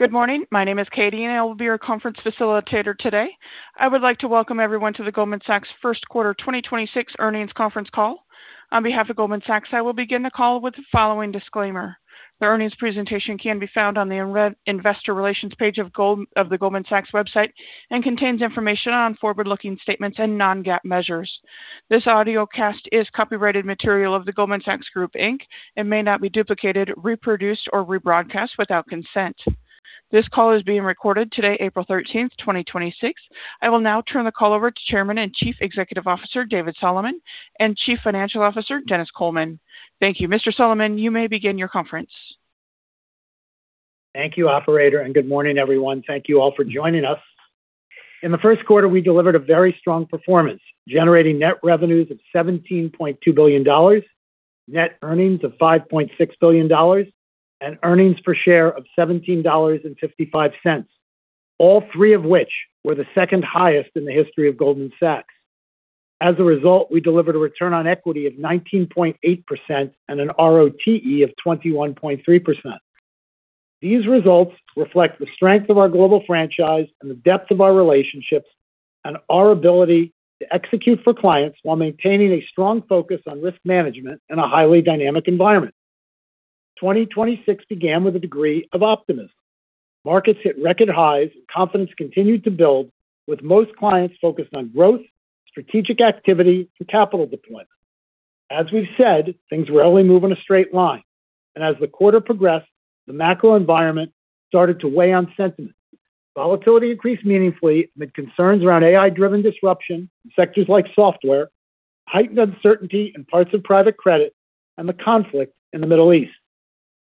Good morning. My name is Katie, and I will be your conference facilitator today. I would like to welcome everyone to the Goldman Sachs first quarter 2026 earnings conference call. On behalf of Goldman Sachs, I will begin the call with the following disclaimer. The earnings presentation can be found on the Investor Relations page of the Goldman Sachs website and contains information on forward-looking statements and non-GAAP measures. This audiocast is copyrighted material of the Goldman Sachs Group, Inc. and may not be duplicated, reproduced, or rebroadcast without consent. This call is being recorded today, April 13th, 2026. I will now turn the call over to Chairman and Chief Executive Officer David Solomon and Chief Financial Officer Denis Coleman. Thank you. Mr. Solomon, you may begin your conference. Thank you, operator. Good morning, everyone. Thank you all for joining us. In the first quarter, we delivered a very strong performance, generating net revenues of $17.2 billion, net earnings of $5.6 billion, and earnings per share of $17.55, all three of which were the second highest in the history of Goldman Sachs. As a result, we delivered a return on equity of 19.8% and an ROTE of 21.3%. These results reflect the strength of our global franchise and the depth of our relationships and our ability to execute for clients while maintaining a strong focus on risk management in a highly dynamic environment. 2026 began with a degree of optimism. Markets hit record highs and confidence continued to build, with most clients focused on growth, strategic activity, and capital deployment. As we've said, things rarely move in a straight line, and as the quarter progressed, the macro environment started to weigh on sentiment. Volatility increased meaningfully amid concerns around AI-driven disruption in sectors like software, heightened uncertainty in parts of private credit, and the conflict in the Middle East.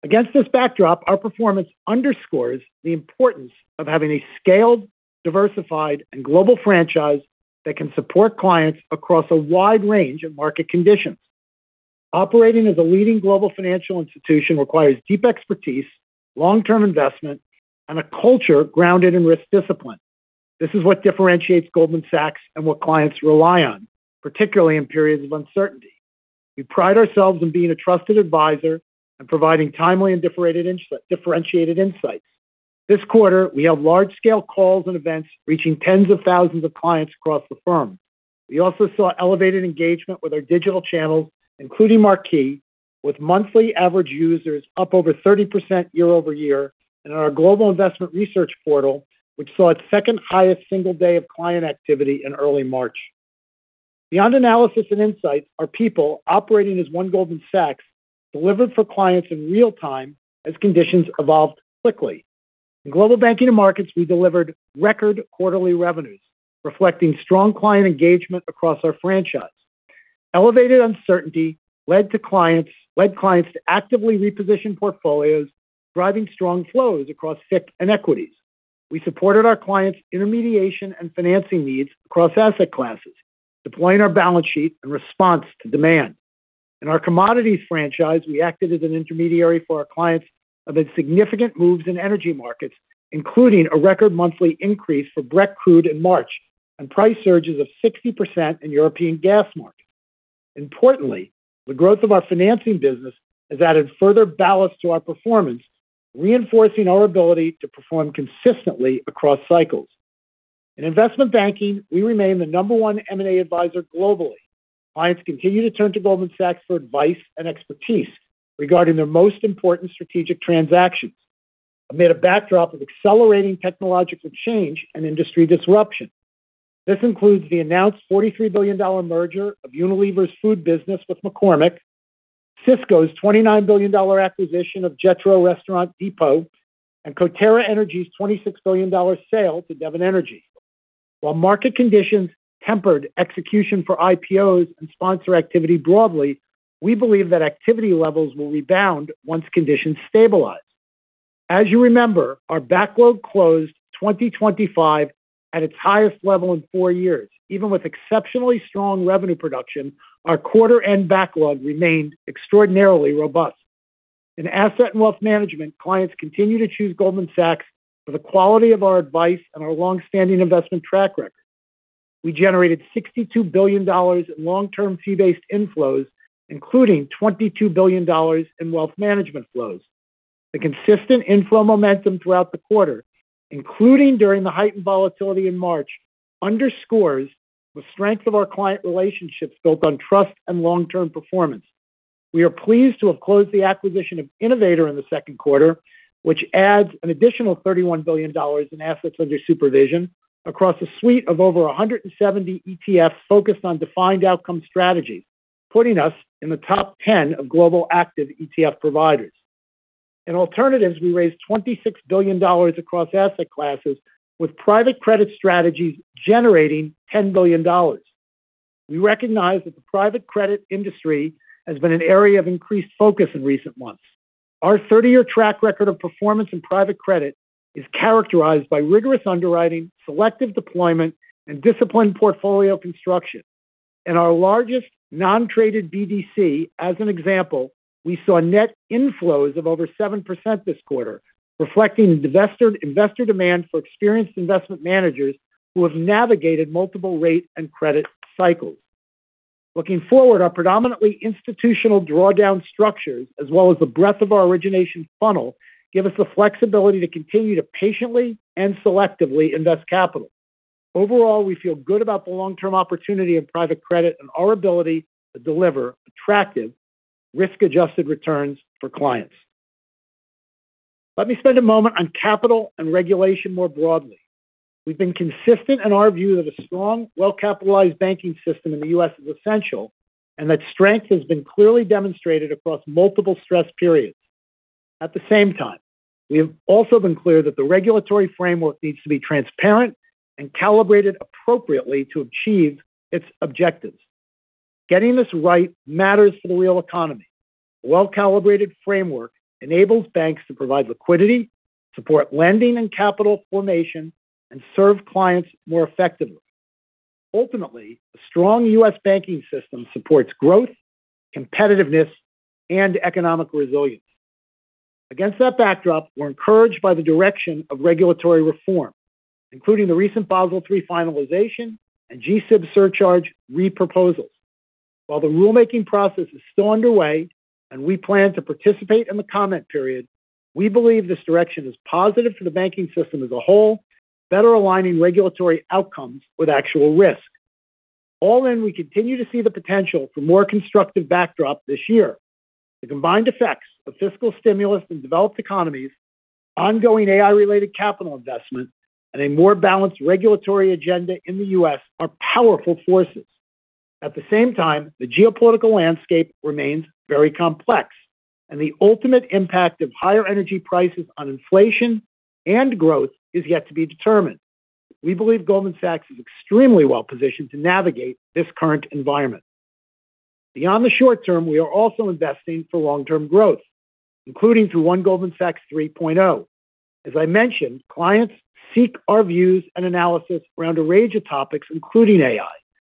Against this backdrop, our performance underscores the importance of having a scaled, diversified, and global franchise that can support clients across a wide range of market conditions. Operating as a leading global financial institution requires deep expertise, long-term investment, and a culture grounded in risk discipline. This is what differentiates Goldman Sachs and what clients rely on, particularly in periods of uncertainty. We pride ourselves on being a trusted advisor and providing timely and differentiated insights. This quarter, we held large-scale calls and events reaching tens of thousands of clients across the firm. We also saw elevated engagement with our digital channels, including Marquee, with monthly average users up over 30% YoY in our Global Investment Research portal, which saw its second highest single day of client activity in early March. Beyond analysis and insights, our people operating as One Goldman Sachs delivered for clients in real time as conditions evolved quickly. In Global Banking & Markets, we delivered record quarterly revenues, reflecting strong client engagement across our franchise. Elevated uncertainty led clients to actively reposition portfolios, driving strong flows across FICC and equities. We supported our clients' intermediation and financing needs across asset classes, deploying our balance sheet in response to demand. In our commodities franchise, we acted as an intermediary for our clients amid significant moves in energy markets, including a record monthly increase for Brent Crude in March and price surges of 60% in European gas markets. Importantly, the growth of our financing business has added further ballast to our performance, reinforcing our ability to perform consistently across cycles. In investment banking, we remain the number one M&A advisor globally. Clients continue to turn to Goldman Sachs for advice and expertise regarding their most important strategic transactions amid a backdrop of accelerating technological change and industry disruption. This includes the announced $43 billion merger of Unilever's food business with McCormick, Sysco's $29 billion acquisition of Jetro Restaurant Depot, and Coterra Energy's $26 billion sale to Devon Energy. While market conditions tempered execution for IPOs and sponsor activity broadly, we believe that activity levels will rebound once conditions stabilize. As you remember, our backlog closed 2025 at its highest level in four years. Even with exceptionally strong revenue production, our quarter-end backlog remained extraordinarily robust. In asset and wealth management, clients continue to choose Goldman Sachs for the quality of our advice and our longstanding investment track record. We generated $62 billion in long-term fee-based inflows, including $22 billion in wealth management flows. The consistent inflow momentum throughout the quarter, including during the heightened volatility in March, underscores the strength of our client relationships built on trust and long-term performance. We are pleased to have closed the acquisition of Innovator in the second quarter, which adds an additional $31 billion in assets under supervision across a suite of over 170 ETFs focused on defined outcome strategies, putting us in the top ten of global active ETF providers. In alternatives, we raised $26 billion across asset classes, with private credit strategies generating $10 billion. We recognize that the private credit industry has been an area of increased focus in recent months. Our 30-year track record of performance in private credit is characterized by rigorous underwriting, selective deployment, and disciplined portfolio construction. In our largest non-traded BDC, as an example, we saw net inflows of over 7% this quarter, reflecting investor demand for experienced investment managers who have navigated multiple rate and credit cycles. Looking forward, our predominantly institutional drawdown structures, as well as the breadth of our origination funnel, give us the flexibility to continue to patiently and selectively invest capital. Overall, we feel good about the long-term opportunity of private credit and our ability to deliver attractive risk-adjusted returns for clients. Let me spend a moment on capital and regulation more broadly. We've been consistent in our view that a strong, well-capitalized banking system in the U.S. is essential, and that strength has been clearly demonstrated across multiple stress periods. At the same time, we have also been clear that the regulatory framework needs to be transparent and calibrated appropriately to achieve its objectives. Getting this right matters for the real economy. A well-calibrated framework enables banks to provide liquidity, support lending and capital formation, and serve clients more effectively. Ultimately, a strong U.S. banking system supports growth, competitiveness, and economic resilience. Against that backdrop, we're encouraged by the direction of regulatory reform, including the recent Basel III finalization and G-SIB surcharge re-proposals. While the rulemaking process is still underway, and we plan to participate in the comment period, we believe this direction is positive for the banking system as a whole, better aligning regulatory outcomes with actual risk. All in, we continue to see the potential for a more constructive backdrop this year. The combined effects of fiscal stimulus in developed economies, ongoing AI-related capital investment, and a more balanced regulatory agenda in the U.S. are powerful forces. At the same time, the geopolitical landscape remains very complex, and the ultimate impact of higher energy prices on inflation and growth is yet to be determined. We believe Goldman Sachs is extremely well-positioned to navigate this current environment. Beyond the short term, we are also investing for long-term growth, including through One Goldman Sachs 3.0. As I mentioned, clients seek our views and analysis around a range of topics, including AI,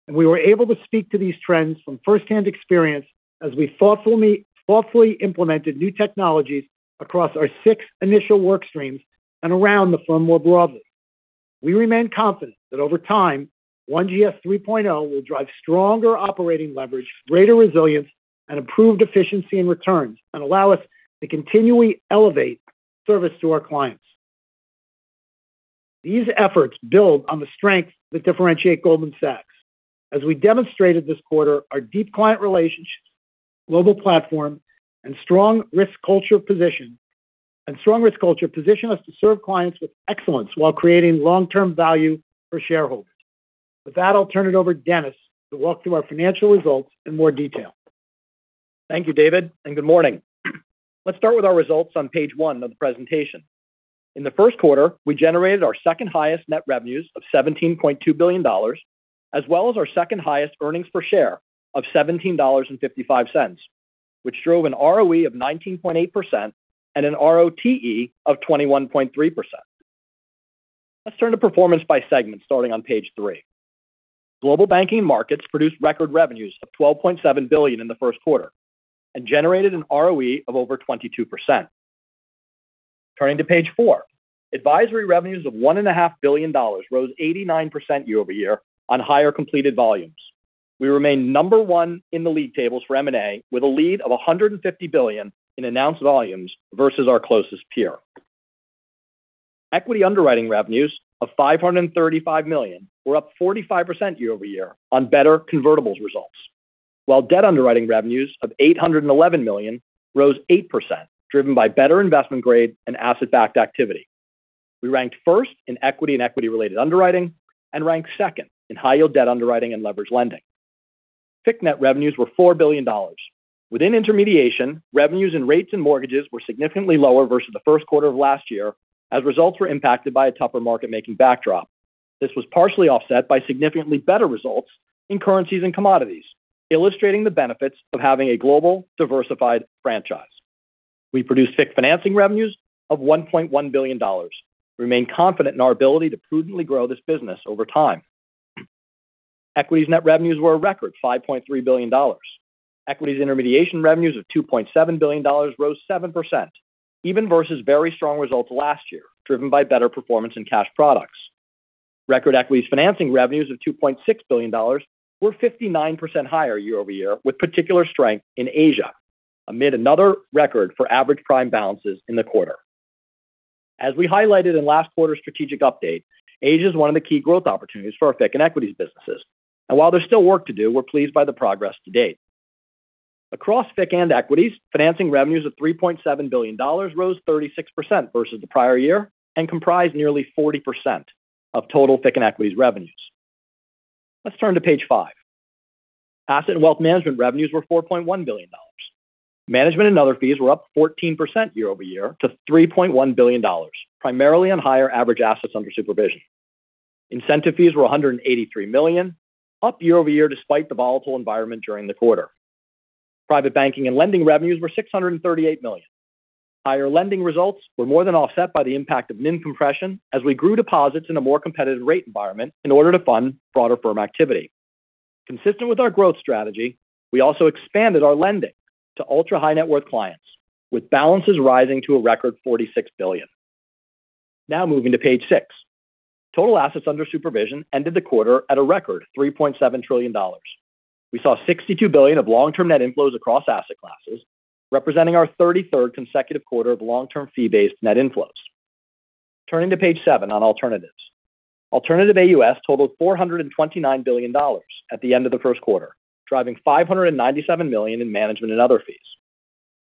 and we were able to speak to these trends from first-hand experience as we thoughtfully implemented new technologies across our six initial work streams and around the firm more broadly. We remain confident that over time, One GS 3.0 will drive stronger operating leverage, greater resilience, and improved efficiency and returns, and allow us to continually elevate service to our clients. These efforts build on the strengths that differentiate Goldman Sachs. As we demonstrated this quarter, our deep client relationships, global platform, and strong risk culture position us to serve clients with excellence while creating long-term value for shareholders. With that, I'll turn it over to Denis to walk through our financial results in more detail. Thank you, David, and good morning. Let's start with our results on page one of the presentation. In the first quarter, we generated our second highest net revenues of $17.2 billion, as well as our second highest earnings per share of $17.55, which drove an ROE of 19.8% and an ROTE of 21.3%. Let's turn to performance by segment starting on page three. Global Banking & Markets produced record revenues of $12.7 billion in the first quarter and generated an ROE of over 22%. Turning to page four, Advisory revenues of $1.5 billion rose 89% YoY on higher completed volumes. We remain number one in the league tables for M&A with a lead of $150 billion in announced volumes versus our closest peer. Equity underwriting revenues of $535 million were up 45% YoY on better convertibles results, while debt underwriting revenues of $811 million rose 8%, driven by better investment-grade and asset-backed activity. We ranked first in equity and equity-related underwriting and ranked second in high-yield debt underwriting and leveraged lending. FICC net revenues were $4 billion. Within intermediation, revenues in Rates and Mortgages were significantly lower versus the first quarter of last year, as results were impacted by a tougher market-making backdrop. This was partially offset by significantly better results in Currencies and Commodities, illustrating the benefits of having a global, diversified franchise. We produced FICC financing revenues of $1.1 billion. We remain confident in our ability to prudently grow this business over time. Equities net revenues were a record $5.3 billion. Equities intermediation revenues of $2.7 billion rose 7%, even versus very strong results last year, driven by better performance in cash products. Record Equities financing revenues of $2.6 billion were 59% higher YoY with particular strength in Asia, amid another record for average prime balances in the quarter. As we highlighted in last quarter's strategic update, Asia is one of the key growth opportunities for our FICC and Equities businesses, and while there's still work to do, we're pleased by the progress to date. Across FICC and Equities, financing revenues of $3.7 billion rose 36% versus the prior year and comprised nearly 40% of total FICC and Equities revenues. Let's turn to page five. Asset and Wealth Management revenues were $4.1 billion. Management and other fees were up 14% YoY to $3.1 billion, primarily on higher average assets under supervision. Incentive fees were $183 million, up YoY despite the volatile environment during the quarter. Private Banking and Lending revenues were $638 million. Higher lending results were more than offset by the impact of NIM compression as we grew deposits in a more competitive rate environment in order to fund broader firm activity. Consistent with our growth strategy, we also expanded our lending to ultra-high-net-worth clients, with balances rising to a record $46 billion. Now moving to page six. Total assets under supervision ended the quarter at a record $3.7 trillion. We saw $62 billion of long-term net inflows across asset classes, representing our 33rd consecutive quarter of long-term fee-based net inflows. Turning to page seven on alternatives. Alternative AUM totaled $429 billion at the end of the first quarter, driving $597 million in management and other fees.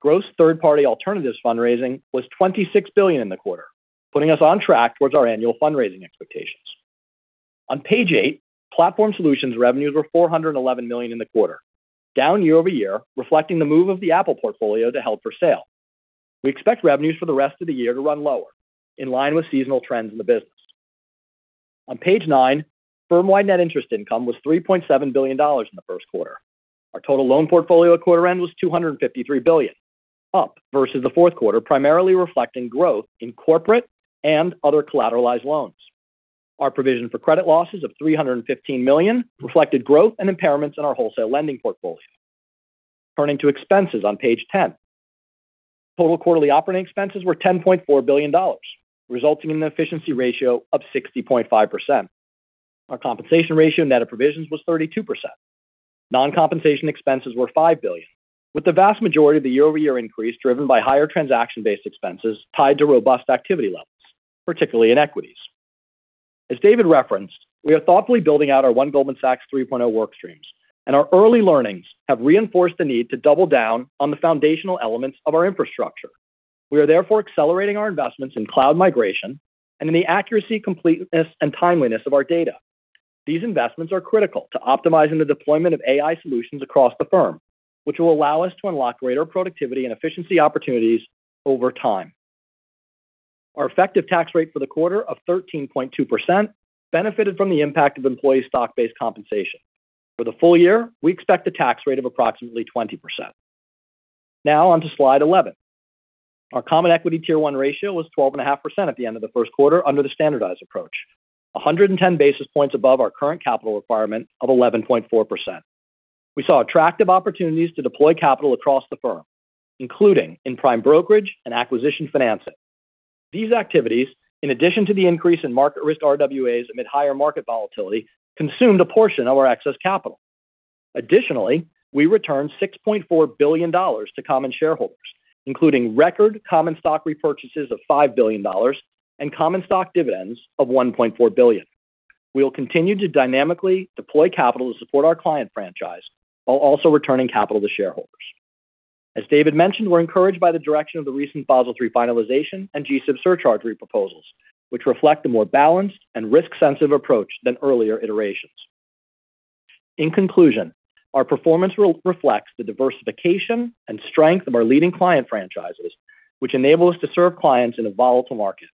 Gross third-party alternatives fundraising was $26 billion in the quarter, putting us on track towards our annual fundraising expectations. On page eight, Platform Solutions revenues were $411 million in the quarter, down YoY, reflecting the move of the Apple portfolio to held-for-sale. We expect revenues for the rest of the year to run lower, in line with seasonal trends in the business. On page nine, Firm-wide net interest income was $3.7 billion in the first quarter. Our total loan portfolio at quarter-end was $253 billion, up versus the fourth quarter, primarily reflecting growth in corporate and other collateralized loans. Our provision for credit losses of $315 million reflected growth and impairments in our wholesale lending portfolio. Turning to expenses on page 10, total quarterly operating expenses were $10.4 billion, resulting in an efficiency ratio of 60.5%. Our compensation ratio net of provisions was 32%. Non-compensation expenses were $5 billion, with the vast majority of the YoY increase driven by higher transaction-based expenses tied to robust activity levels, particularly in equities. As David referenced, we are thoughtfully building out our One Goldman Sachs 3.0 work streams, and our early learnings have reinforced the need to double down on the foundational elements of our infrastructure. We are therefore accelerating our investments in cloud migration and in the accuracy, completeness, and timeliness of our data. These investments are critical to optimizing the deployment of AI solutions across the firm, which will allow us to unlock greater productivity and efficiency opportunities over time. Our effective tax rate for the quarter of 13.2% benefited from the impact of employee stock-based compensation. For the full year, we expect a tax rate of approximately 20%. Now on to slide 11. Our Common Equity Tier 1 ratio was 12.5% at the end of the first quarter under the Standardized Approach, 110 basis points above our current capital requirement of 11.4%. We saw attractive opportunities to deploy capital across the firm, including in prime brokerage and acquisition financing. These activities, in addition to the increase in market risk RWAs amid higher market volatility, consumed a portion of our excess capital. Additionally, we returned $6.4 billion to common shareholders, including record common stock repurchases of $5 billion and common stock dividends of $1.4 billion. We will continue to dynamically deploy capital to support our client franchise while also returning capital to shareholders. As David mentioned, we're encouraged by the direction of the recent Basel III finalization and G-SIB surcharge proposals, which reflect a more balanced and risk-sensitive approach than earlier iterations. In conclusion, our performance reflects the diversification and strength of our leading client franchises, which enable us to serve clients in a volatile market.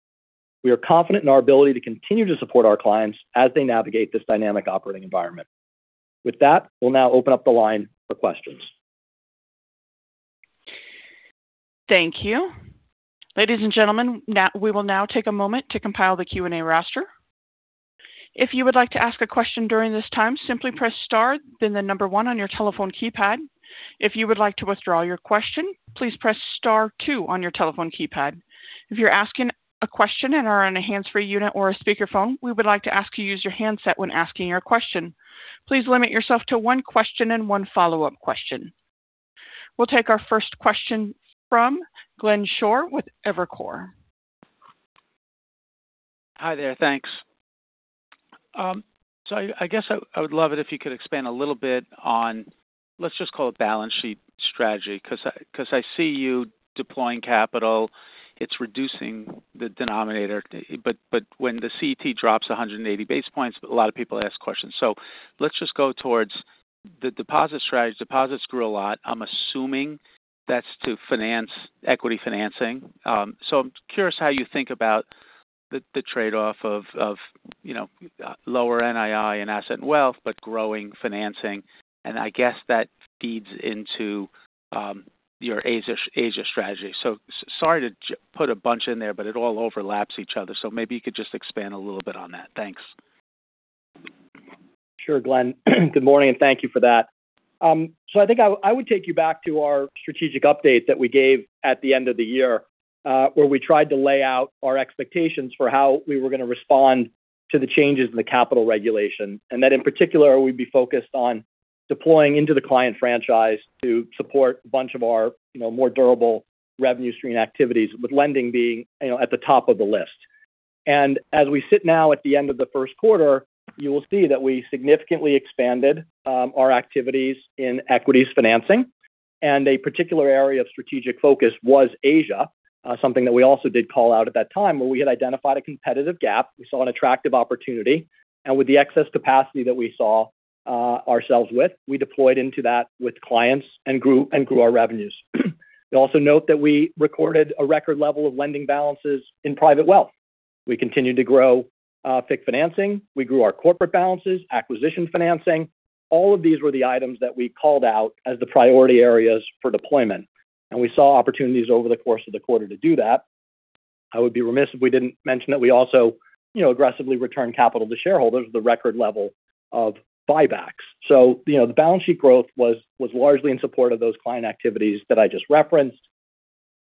We are confident in our ability to continue to support our clients as they navigate this dynamic operating environment. With that, we'll now open up the line for questions. Thank you. Ladies and gentlemen, we will now take a moment to compile the Q&A roster. If you would like to ask a question during this time, simply press star, then the number one on your telephone keypad. If you would like to withdraw your question, please press star two on your telephone keypad. If you're asking a question and are on a hands-free unit or a speakerphone, we would like to ask you to use your handset when asking your question. Please limit yourself to one question and one follow-up question. We'll take our first question from Glenn Schorr with Evercore. Hi there. Thanks. I guess I would love it if you could expand a little bit on, let's just call it balance sheet strategy, because I see you deploying capital. It's reducing the denominator. But when the CET1 drops 180 basis points, a lot of people ask questions. So, let's just go towards the deposit strategy. Deposits grew a lot. I'm assuming that's to equity financing. I'm curious how you think about the trade-off of lower NII in Asset Wealth, but growing financing, and I guess that feeds into your Asia strategy. Sorry to put a bunch in there, but it all overlaps each other. Maybe you could just expand a little bit on that. Thanks. Sure, Glenn. Good morning, and thank you for that. I think I would take you back to our strategic update that we gave at the end of the year, where we tried to lay out our expectations for how we were going to respond to the changes in the capital regulation, and that in particular, we'd be focused on deploying into the client franchise to support a bunch of our more durable revenue stream activities, with lending being at the top of the list. As we sit now at the end of the first quarter, you will see that we significantly expanded our activities in equities financing, and a particular area of strategic focus was Asia, something that we also did call out at that time, where we had identified a competitive gap. We saw an attractive opportunity. With the excess capacity that we saw ourselves with, we deployed into that with clients and grew our revenues. You'll also note that we recorded a record level of lending balances in Private Wealth. We continued to grow FICC financing. We grew our corporate balances, acquisition financing. All of these were the items that we called out as the priority areas for deployment, and we saw opportunities over the course of the quarter to do that. I would be remiss if we didn't mention that we also aggressively returned capital to shareholders at the record level. Of buybacks. The balance sheet growth was largely in support of those client activities that I just referenced.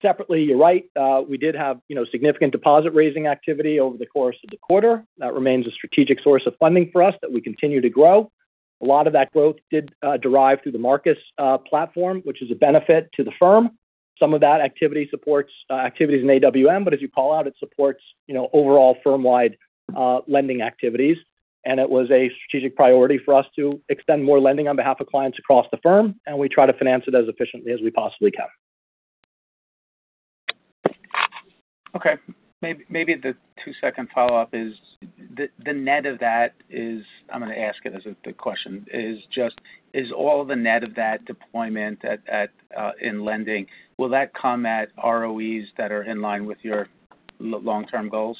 Separately, you're right, we did have significant deposit-raising activity over the course of the quarter. That remains a strategic source of funding for us that we continue to grow. A lot of that growth did derive through the Marcus platform, which is a benefit to the firm. Some of that activity supports activities in AWM, but as you call out, it supports overall firm-wide lending activities. It was a strategic priority for us to extend more lending on behalf of clients across the firm, and we try to finance it as efficiently as we possibly can. Okay. Maybe the two-second follow-up is the net of that, I'm going to ask it as a question. Is all the net of that deployment in lending, will that come at ROEs that are in line with your long-term goals?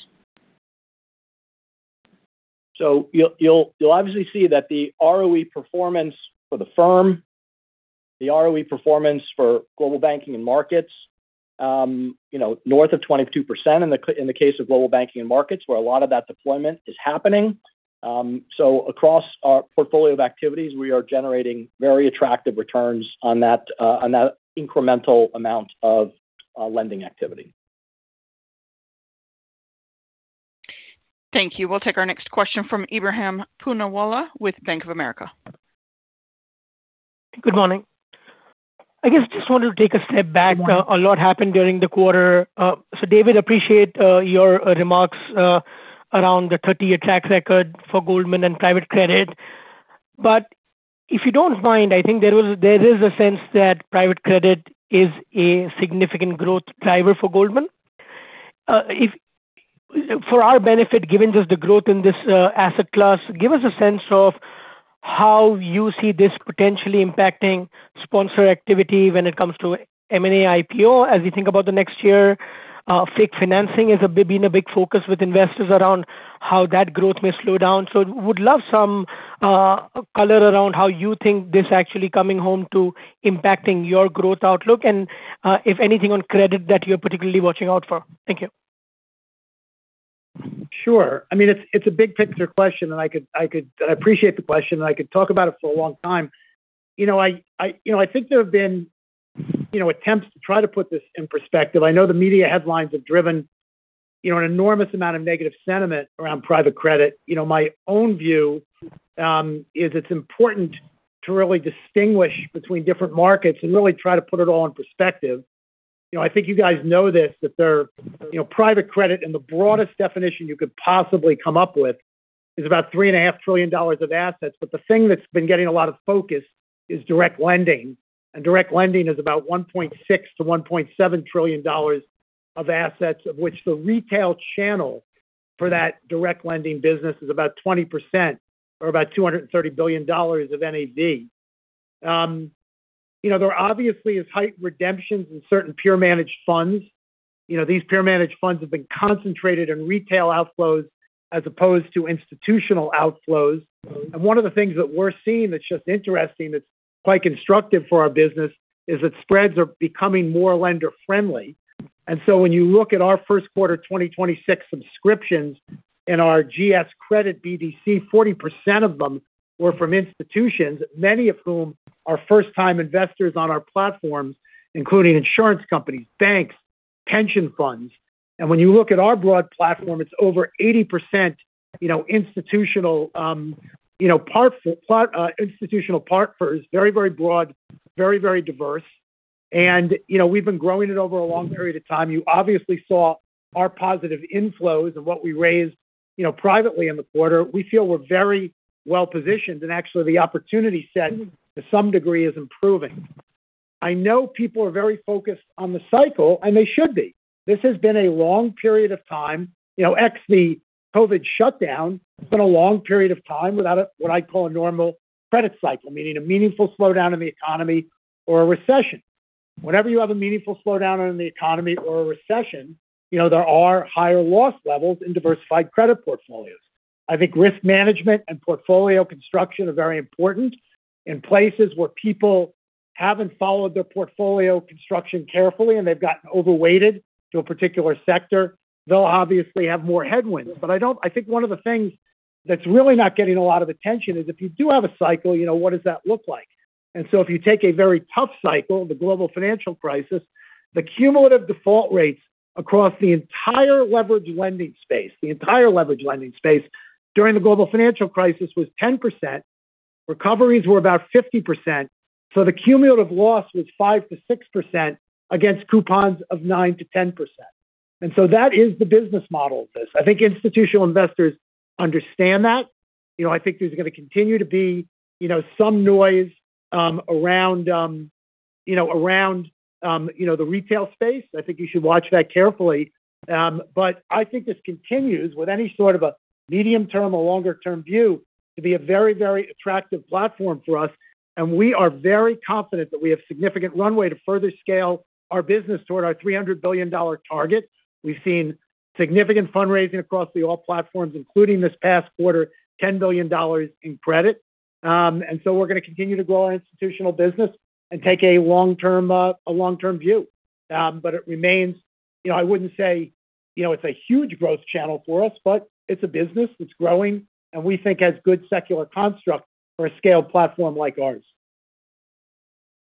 You'll obviously see that the ROE performance for the firm, the ROE performance for Global Banking and Markets, north of 22% in the case of Global Banking and Markets, where a lot of that deployment is happening. So, across our portfolio of activities, we are generating very attractive returns on that incremental amount of lending activity. Thank you. We'll take our next question from Ebrahim Poonawala with Bank of America. Good morning. I guess I just wanted to take a step back. A lot happened during the quarter. David, I appreciate your remarks around the 30-year track record for Goldman and private credit. But, if you don't mind, I think there is a sense that private credit is a significant growth driver for Goldman. For our benefit, given just the growth in this asset class, give us a sense of how you see this potentially impacting sponsor activity when it comes to M&A, IPO. As we think about the next year, FICC financing has been a big focus with investors around how that growth may slow down. I would love some color around how you think this actually coming home to impacting your growth outlook and if anything on credit that you're particularly watching out for. Thank you. Sure. It's a big-picture question and I appreciate the question, and I could talk about it for a long time. I think there have been attempts to try to put this in perspective. I know the media headlines have driven an enormous amount of negative sentiment around private credit. My own view is it's important to really distinguish between different markets and really try to put it all in perspective. I think you guys know this, that private credit in the broadest definition you could possibly come up with is about three and a half trillion dollars of assets. The thing that's been getting a lot of focus is direct lending, and direct lending is about $1.6 trillion-$1.7 trillion of assets, of which the retail channel for that direct lending business is about 20% or about $230 billion of NAV. There obviously is heightened redemptions in certain peer-managed funds. These peer-managed funds have been concentrated in retail outflows as opposed to institutional outflows. One of the things that we're seeing that's just interesting, that's quite constructive for our business is that spreads are becoming more lender-friendly. When you look at our first quarter 2026 subscriptions and our GS Credit BDC, 40% of them were from institutions, many of whom are first-time investors on our platforms, including insurance companies, banks, pension funds. When you look at our broad platform, it's over 80% institutional partners, very, very broad, very, very diverse. We've been growing it over a long period of time. You obviously saw our positive inflows and what we raised privately in the quarter. We feel we're very well-positioned, and actually the opportunity set to some degree is improving. I know people are very focused on the cycle, and they should be. This has been a long period of time, x the COVID shutdown. It's been a long period of time without what I call a normal credit cycle, meaning a meaningful slowdown in the economy or a recession. Whenever you have a meaningful slowdown in the economy or a recession, there are higher loss levels in diversified credit portfolios. I think risk management and portfolio construction are very important in places where people haven't followed their portfolio construction carefully and they've gotten overweighted to a particular sector, they'll obviously have more headwinds. But I think one of the things that's really not getting a lot of attention is if you do have a cycle, what does that look like? If you take a very tough cycle, the Global Financial Crisis, the cumulative default rates across the entire leveraged lending space during the Global Financial Crisis was 10%. Recoveries were about 50%. The cumulative loss was 5%-6% against coupons of 9%-10%. That is the business model of this. I think institutional investors understand that. I think there's going to continue to be some noise around the retail space. I think you should watch that carefully. I think this continues with any sort of a medium-term or longer-term view to be a very, very attractive platform for us, and we are very confident that we have significant runway to further scale our business toward our $300 billion target. We've seen significant fundraising across all platforms, including this past quarter, $10 billion in credit. We're going to continue to grow our institutional business and take a long-term view. It's a huge growth channel for us, but it's a business that's growing, and we think has good secular construct for a scaled platform like ours.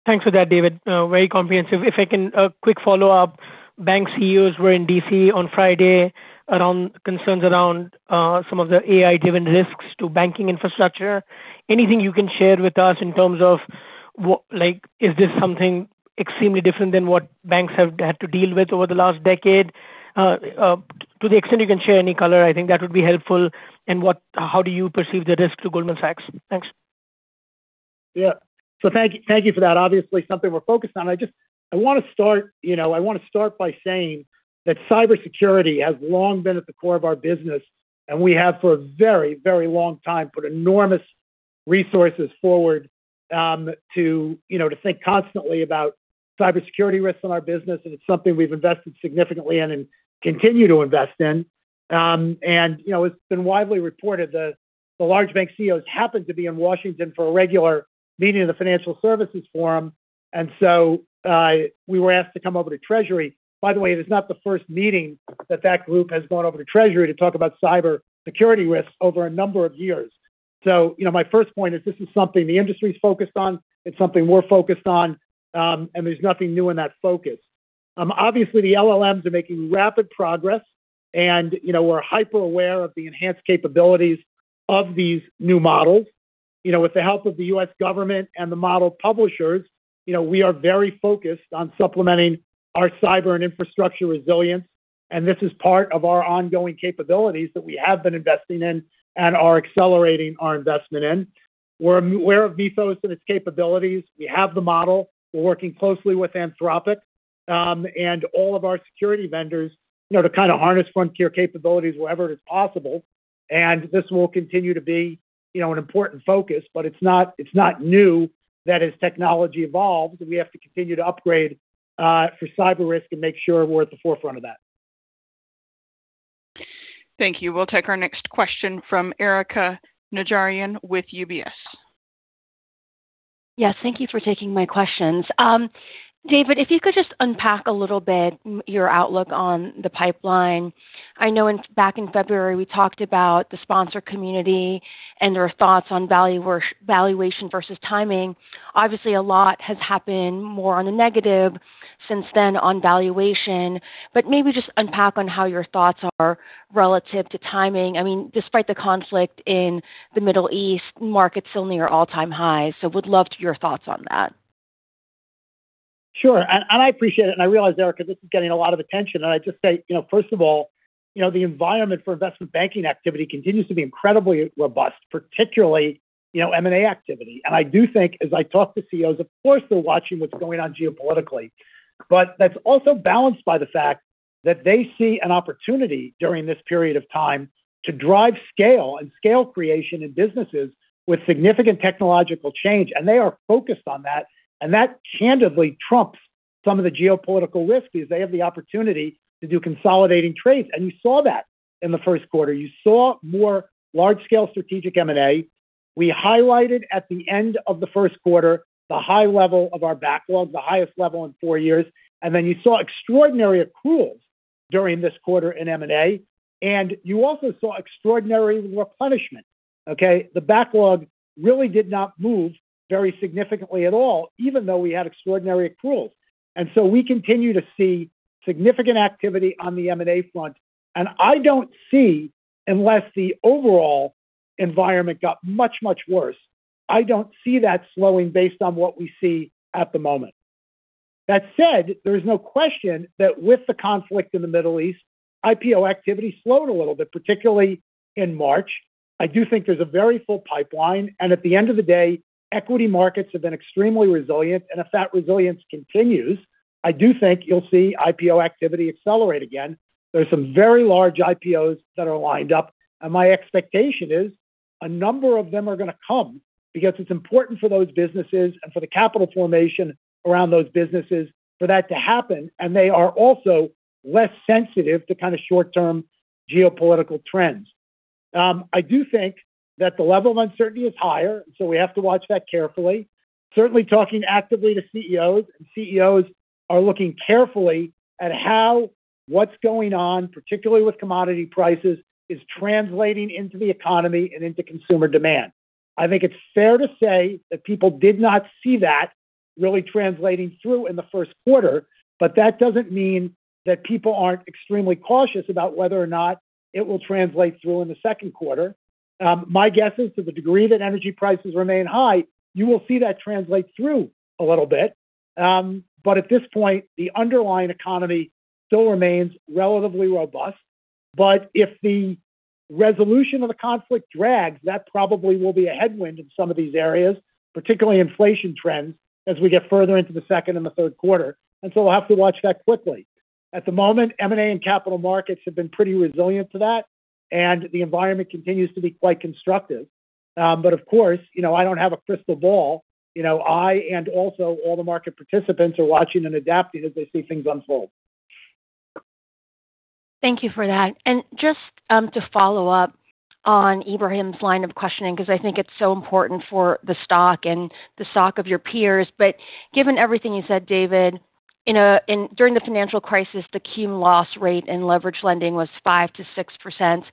Thanks for that, David. Very comprehensive. If I can, quick follow-up. Bank CEOs were in D.C. on Friday around concerns around some of the AI-driven risks to banking infrastructure. Anything you can share with us in terms of is this something extremely different than what banks have had to deal with over the last decade? To the extent you can share any color, I think that would be helpful. How do you perceive the risk to Goldman Sachs? Thanks. Yeah. Thank you for that. Obviously, something we're focused on. I want to start by saying that cybersecurity has long been at the core of our business, and we have, for a very, very long time, put enormous resources forward to think constantly about cybersecurity risks in our business. It's something we've invested significantly in and continue to invest in. It's been widely reported that the large bank CEOs happened to be in Washington for a regular meeting of the Financial Services Forum, and so we were asked to come over to Treasury. By the way, it is not the first meeting that that group has gone over to Treasury to talk about cybersecurity risks over a number of years. My first point is this is something the industry's focused on. It's something we're focused on, and there's nothing new in that focus. Obviously, the LLMs are making rapid progress, and we're hyper-aware of the enhanced capabilities of these new models. With the help of the U.S. government and the model publishers, we are very focused on supplementing our cyber and infrastructure resilience, and this is part of our ongoing capabilities that we have been investing in and are accelerating our investment in. We're aware of Mifos and its capabilities. We have the model. We're working closely with Anthropic and all of our security vendors to kind of harness frontier capabilities wherever it's possible. This will continue to be an important focus. It's not new that as technology evolves, we have to continue to upgrade for cyber risk and make sure we're at the forefront of that. Thank you. We'll take our next question from Erika Najarian with UBS. Yes. Thank you for taking my questions. David, if you could just unpack a little bit your outlook on the pipeline. I know back in February, we talked about the sponsor community and your thoughts on valuation versus timing. Obviously, a lot has happened more on the negative since then on valuation. Maybe just unpack on how your thoughts are relative to timing. Despite the conflict in the Middle East, markets still near all-time highs, I would love to hear your thoughts on that. Sure. I appreciate it, and I realize, Erika, this is getting a lot of attention, and I'd just say, first of all, the environment for investment banking activity continues to be incredibly robust, particularly, M&A activity. I do think, as I talk to CEOs, of course, they're watching what's going on geopolitically. That's also balanced by the fact that they see an opportunity during this period of time to drive scale and scale creation in businesses with significant technological change, and they are focused on that. That candidly trumps some of the geopolitical risks because they have the opportunity to do consolidating trades. You saw that in the first quarter. You saw more large-scale strategic M&A. We highlighted at the end of the first quarter the high level of our backlog, the highest level in four years. You saw extraordinary accruals during this quarter in M&A. You also saw extraordinary replenishment. Okay? The backlog really did not move very significantly at all, even though we had extraordinary accruals. We continue to see significant activity on the M&A front, and unless the overall environment got much, much worse, I don't see that slowing based on what we see at the moment. That said, there's no question that with the conflict in the Middle East, IPO activity slowed a little bit, particularly in March. I do think there's a very full pipeline, and at the end of the day, equity markets have been extremely resilient, and if that resilience continues, I do think you'll see IPO activity accelerate again. There's some very large IPOs that are lined up. My expectation is a number of them are going to come because it's important for those businesses and for the capital formation around those businesses for that to happen, and they are also less sensitive to short-term geopolitical trends. I do think that the level of uncertainty is higher, and so we have to watch that carefully. Certainly, talking actively to CEOs, and CEOs are looking carefully at how what's going on, particularly with commodity prices, is translating into the economy and into consumer demand. I think it's fair to say that people did not see that really translating through in the first quarter, but that doesn't mean that people aren't extremely cautious about whether or not it will translate through in the second quarter. My guess is to the degree that energy prices remain high, you will see that translate through a little bit. At this point, the underlying economy still remains relatively robust. If the resolution of the conflict drags, that probably will be a headwind in some of these areas, particularly inflation trends, as we get further into the second and the third quarter. We'll have to watch that quickly. At the moment, M&A and capital markets have been pretty resilient to that, and the environment continues to be quite constructive. Of course, I don't have a crystal ball. I and also all the market participants are watching and adapting as they see things unfold. Thank you for that. Just to follow up on Ebrahim's line of questioning, because I think it's so important for the stock and the stock of your peers. Given everything you said, David, during the financial crisis, the cumulative loss rate in leveraged lending was 5%-6%.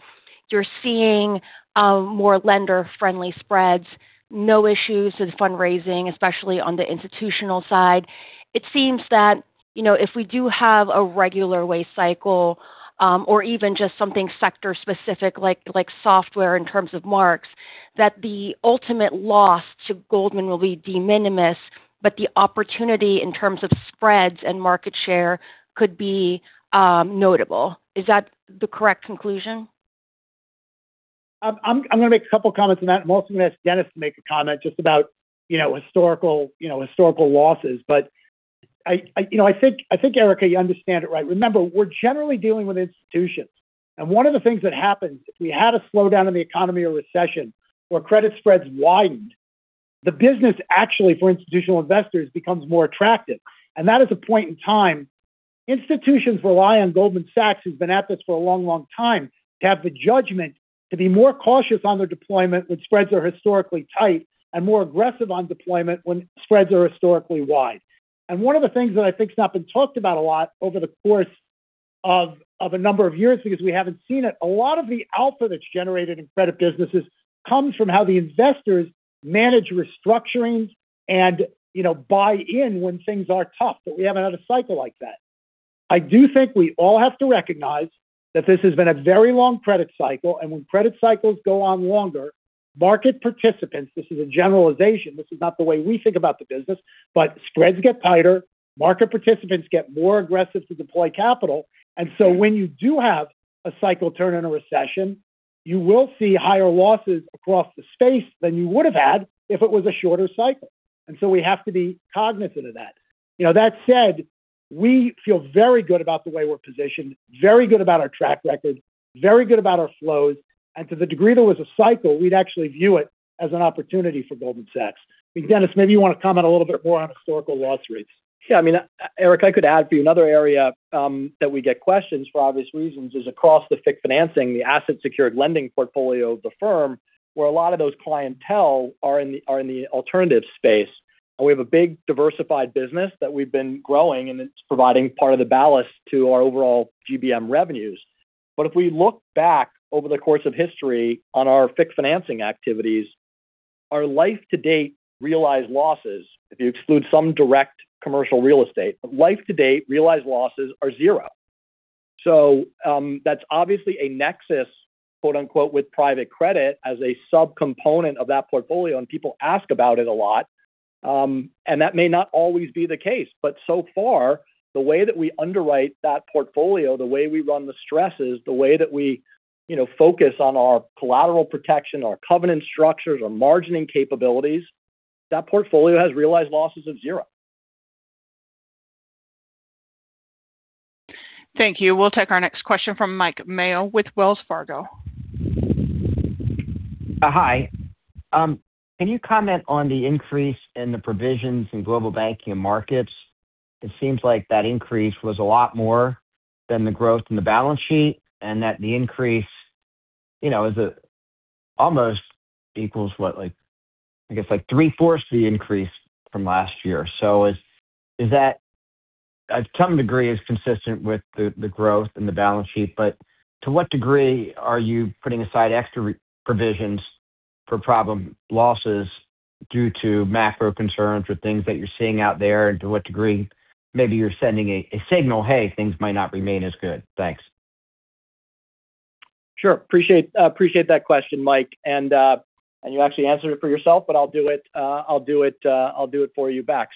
You're seeing more lender-friendly spreads, no issues with fundraising, especially on the institutional side. It seems that if we do have a regular rate cycle, or even just something sector-specific, like software in terms of marks, that the ultimate loss to Goldman will be de minimis, but the opportunity in terms of spreads and market share could be notable. Is that the correct conclusion? I'm going to make a couple comments on that. I'm also going to ask Denis to make a comment just about historical losses. I think, Erika, you understand it right. Remember, we're generally dealing with institutions. One of the things that happens if we had a slowdown in the economy or recession where credit spreads widened, the business actually for institutional investors becomes more attractive. That is a point in time. Institutions rely on Goldman Sachs, who's been at this for a long time, to have the judgment to be more cautious on their deployment when spreads are historically tight and more aggressive on deployment when spreads are historically wide. One of the things that I think has not been talked about a lot over the course of a number of years because we haven't seen it, a lot of the alpha that's generated in credit businesses comes from how the investors manage restructurings and buy in when things are tough. We haven't had a cycle like that. I do think we all have to recognize that this has been a very long credit cycle, and when credit cycles go on longer, this is a generalization, this is not the way we think about the business, but spreads get tighter, market participants get more aggressive to deploy capital. When you do have a cycle turn in a recession, you will see higher losses across the space than you would have had if it was a shorter cycle. We have to be cognizant of that. That said, we feel very good about the way we're positioned, very good about our track record, very good about our flows. To the degree there was a cycle, we'd actually view it as an opportunity for Goldman Sachs. I mean, Denis, maybe you want to comment a little bit more on historical loss rates. Yeah, I mean, Erika, I could add for you another area that we get questions for obvious reasons is across the FICC financing, the asset-secured lending portfolio of the firm, where a lot of those clientele are in the alternative space. We have a big diversified business that we've been growing, and it's providing part of the ballast to our overall GBM revenues. If we look back over the course of history on our FICC financing activities, our life-to-date realized losses, if you exclude some direct commercial real estate, life-to-date realized losses are zero. That's obviously a nexus, quote unquote, "with private credit" as a subcomponent of that portfolio, and people ask about it a lot, and that may not always be the case. So far, the way that we underwrite that portfolio, the way we run the stresses, the way that we focus on our collateral protection, our covenant structures, our margining capabilities, that portfolio has realized losses of zero. Thank you. We'll take our next question from Mike Mayo with Wells Fargo. Hi. Can you comment on the increase in the provisions in Global Banking & Markets? It seems like that increase was a lot more than the growth in the balance sheet, and that the increase almost equals what? I guess like 3/4 the increase from last year. Is that at some degree is consistent with the growth in the balance sheet, but to what degree are you putting aside extra provisions for problem losses due to macro concerns or things that you're seeing out there, and to what degree maybe you're sending a signal, "Hey, things might not remain as good"? Thanks. Sure. I appreciate that question, Mike. You actually answered it for yourself, but I'll do it for you back.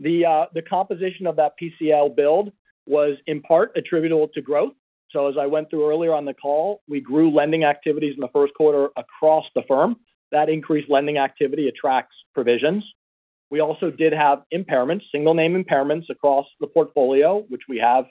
The composition of that PCL build was in part attributable to growth. As I went through earlier on the call, we grew lending activities in the first quarter across the firm. That increased lending activity attracts provisions. We also did have impairments, single-name impairments across the portfolio, which we have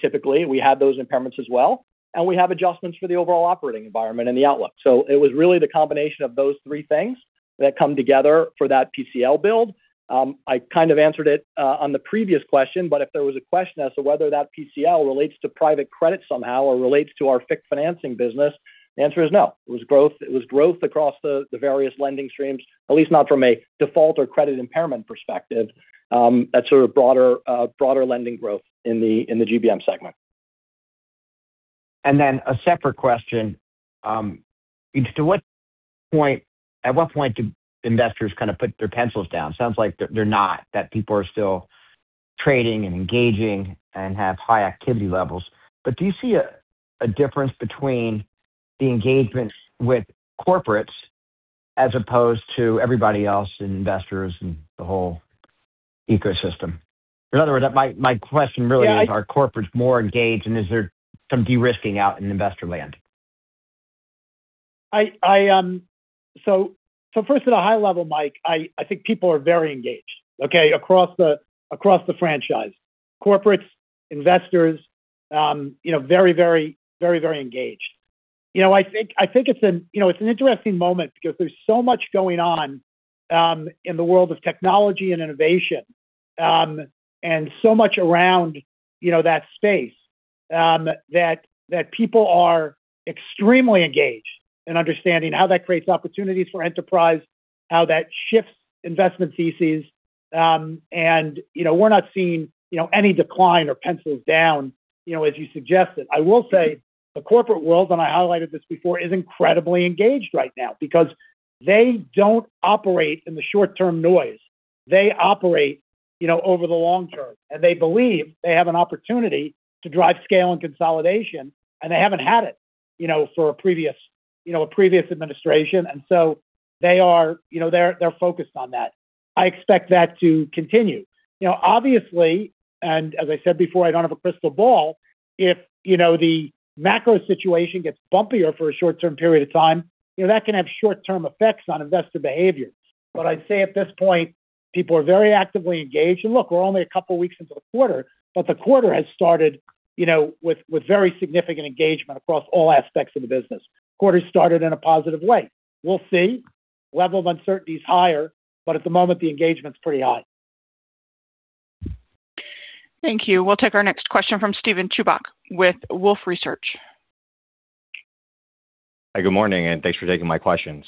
typically. We had those impairments as well. We have adjustments for the overall operating environment and the outlook. It was really the combination of those three things that come together for that PCL build. I kind of answered it on the previous question, but if there was a question as to whether that PCL relates to private credit somehow or relates to our FICC financing business, the answer is no. It was growth across the various lending streams, at least not from a default or credit impairment perspective. That's sort of broader lending growth in the GBM segment. A separate question. At what point do investors kind of put their pencils down? Sounds like they're not, that people are still trading and engaging and have high activity levels. Do you see a difference between the engagements with corporates as opposed to everybody else and investors and the whole ecosystem? Yeah Are corporates more engaged, and is there some de-risking out in investor land? First at a high level, Mike, I think people are very engaged, okay, across the franchise. Corporates, investors, very, very engaged. I think it's an interesting moment because there's so much going on. In the world of technology and innovation, and so much around that space, that people are extremely engaged in understanding how that creates opportunities for enterprise, how that shifts investment theses, and we're not seeing any decline or pencils down as you suggested. I will say the corporate world, and I highlighted this before, is incredibly engaged right now because they don't operate in the short-term noise. They operate over the long term, and they believe they have an opportunity to drive scale and consolidation, and they haven't had it for a previous administration, and so they're focused on that. I expect that to continue. Obviously, and as I said before, I don't have a crystal ball. If the macro situation gets bumpier for a short-term period of time, that can have short-term effects on investor behavior. I'd say at this point, people are very actively engaged. Look, we're only a couple of weeks into the quarter, but the quarter has started with very significant engagement across all aspects of the business. The quarter started in a positive way. We'll see. The level of uncertainty is higher, but at the moment, the engagement's pretty high. Thank you. We'll take our next question from Steven Chubak with Wolfe Research. Hi, good morning, and thanks for taking my questions.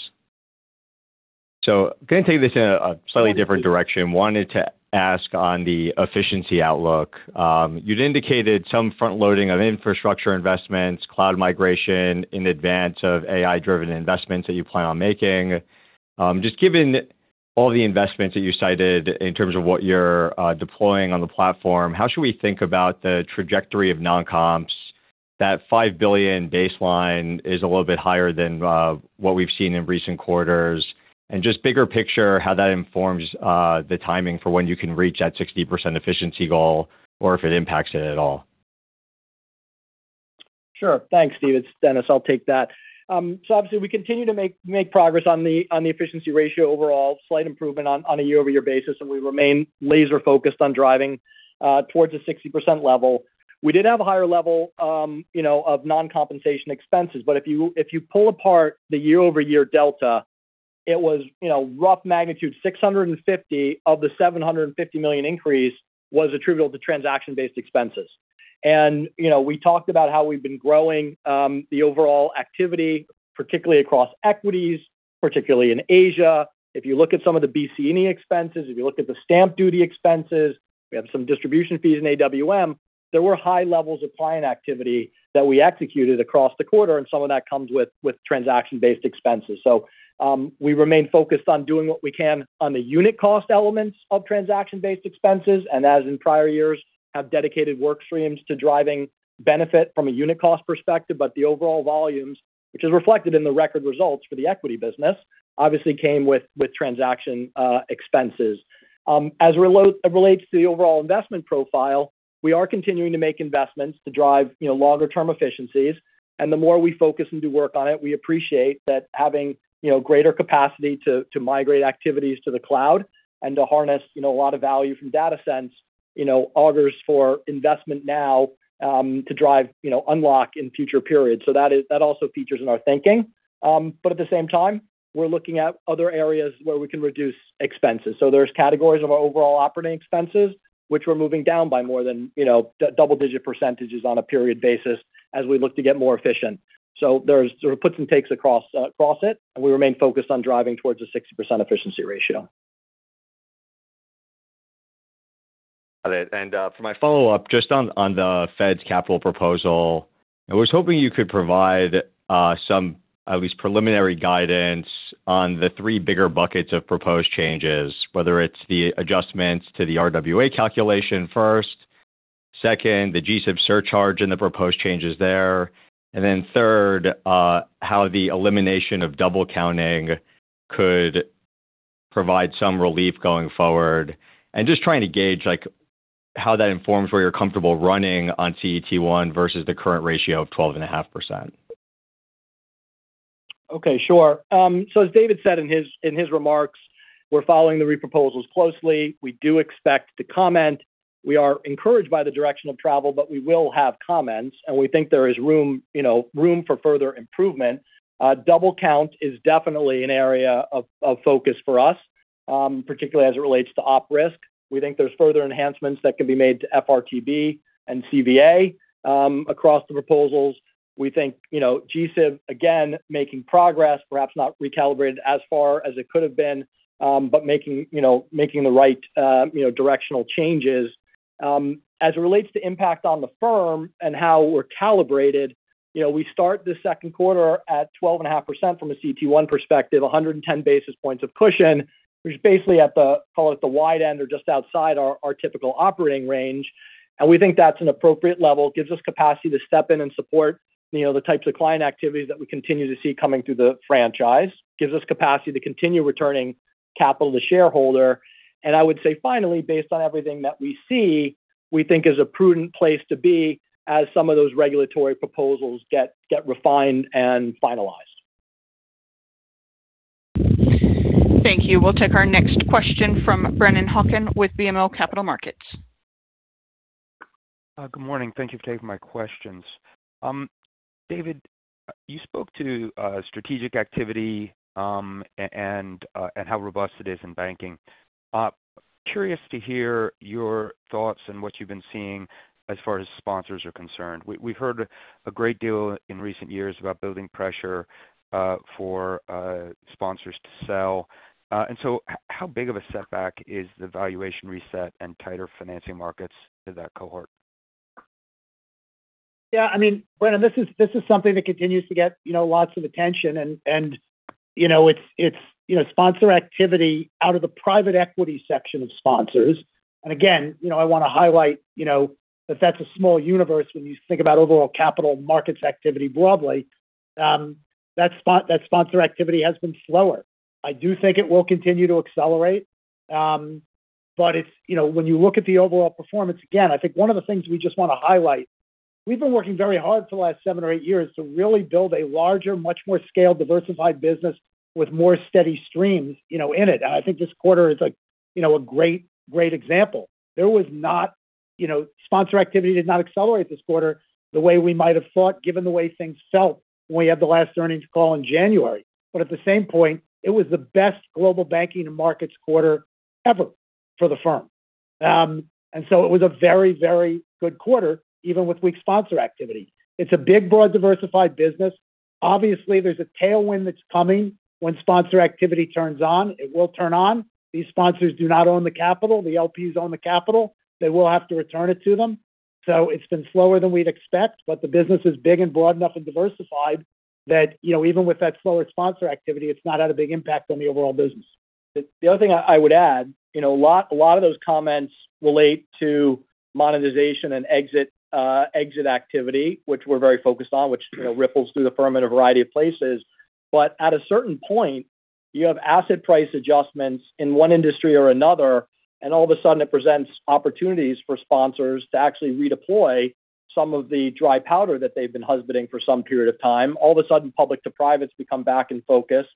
I'm going to take this in a slightly different direction. I wanted to ask on the efficiency outlook. You'd indicated some front-loading of infrastructure investments, cloud migration in advance of AI-driven investments that you plan on making. Just given all the investments that you cited in terms of what you're deploying on the platform, how should we think about the trajectory of non-comps? That $5 billion baseline is a little bit higher than what we've seen in recent quarters, and just bigger picture, how that informs the timing for when you can reach that 60% efficiency goal or if it impacts it at all. Sure. Thanks. This is Denis. I'll take that. Obviously, we continue to make progress on the efficiency ratio overall, a slight improvement on a YoY basis, and we remain laser-focused on driving towards a 60% level. We did have a higher level of non-compensation expenses, but if you pull apart the YoY delta, it was rough magnitude 650 of the $750 million increase was attributable to transaction-based expenses. We talked about how we've been growing the overall activity, particularly across equities, particularly in Asia. If you look at some of the BC&E expenses, if you look at the stamp duty expenses, we have some distribution fees in AWM. There were high levels of client activity that we executed across the quarter, and some of that comes with transaction-based expenses. We remain focused on doing what we can on the unit cost elements of transaction-based expenses, and as in prior years, have dedicated workstreams to driving benefit from a unit cost perspective. The overall volumes, which is reflected in the record results for the equity business, obviously came with transaction expenses. As it relates to the overall investment profile, we are continuing to make investments to drive longer-term efficiencies, and the more we focus and do work on it, we appreciate that having greater capacity to migrate activities to the cloud and to harness a lot of value from datasets augurs for investment now to drive unlock in future periods. That also features in our thinking. At the same time, we're looking at other areas where we can reduce expenses. There's categories of our overall operating expenses, which we're moving down by more than double-digit percentages on a period basis as we look to get more efficient. There's puts and takes across it, and we remain focused on driving towards a 60% efficiency ratio. Got it. For my follow-up, just on the Fed's capital proposal, I was hoping you could provide some at least preliminary guidance on the three bigger buckets of proposed changes, whether it's the adjustments to the RWA calculation first, second, the G-SIB surcharge and the proposed changes there, and then third, how the elimination of double counting could provide some relief going forward. Just trying to gauge how that informs where you're comfortable running on CET1 versus the current ratio of 12.5%. Okay, sure. As David said in his remarks, we're following the re-proposals closely. We do expect to comment. We are encouraged by the direction of travel, but we will have comments, and we think there is room for further improvement. Double count is definitely an area of focus for us, particularly as it relates to Op Risk. We think there's further enhancements that can be made to FRTB and CVA across the proposals. We think G-SIB, again, making progress, perhaps not recalibrated as far as it could have been, but making the right directional changes. As it relates to impact on the firm and how we're calibrated, we start the second quarter at 12.5% from a CET1 perspective, 110 basis points of cushion, which is basically at the, call it the wide end, or just outside our typical operating range. We think that's an appropriate level. Gives us capacity to step in and support the types of client activities that we continue to see coming through the franchise. Gives us capacity to continue returning capital to shareholder. I would say finally, based on everything that we see, we think is a prudent place to be as some of those regulatory proposals get refined and finalized. Thank you. We'll take our next question from Brennan Hawken with BMO Capital Markets. Good morning. Thank you for taking my questions. David, you spoke to strategic activity, and how robust it is in banking. Curious to hear your thoughts and what you've been seeing as far as sponsors are concerned. We've heard a great deal in recent years about building pressure for sponsors to sell. How big of a setback is the valuation reset and tighter financing markets to that cohort? Yeah, Brennan, this is something that continues to get lots of attention, and it's sponsor activity out of the private equity section of sponsors. Again, I want to highlight that that's a small universe when you think about overall capital markets activity broadly. That sponsor activity has been slower. I do think it will continue to accelerate. When you look at the overall performance, again, I think one of the things we just want to highlight, we've been working very hard for the last seven or eight years to really build a larger, much more scaled, diversified business with more steady streams in it. I think this quarter is a great example. Sponsor activity did not accelerate this quarter the way we might have thought, given the way things felt when we had the last earnings call in January. At the same point, it was the best Global Banking & Markets quarter ever for the firm. It was a very, very good quarter, even with weak sponsor activity. It's a big, broad, diversified business. Obviously, there's a tailwind that's coming when sponsor activity turns on. It will turn on. These sponsors do not own the capital. The LPs own the capital. They will have to return it to them. It's been slower than we'd expect, but the business is big and broad enough and diversified that even with that slower sponsor activity, it's not had a big impact on the overall business. The other thing I would add, a lot of those comments relate to monetization and exit activity, which we're very focused on, which ripples through the firm in a variety of places. At a certain point, you have asset price adjustments in one industry or another, and all of a sudden it presents opportunities for sponsors to actually redeploy some of the dry powder that they've been husbanding for some period of time. All of a sudden, public to privates become back in focus.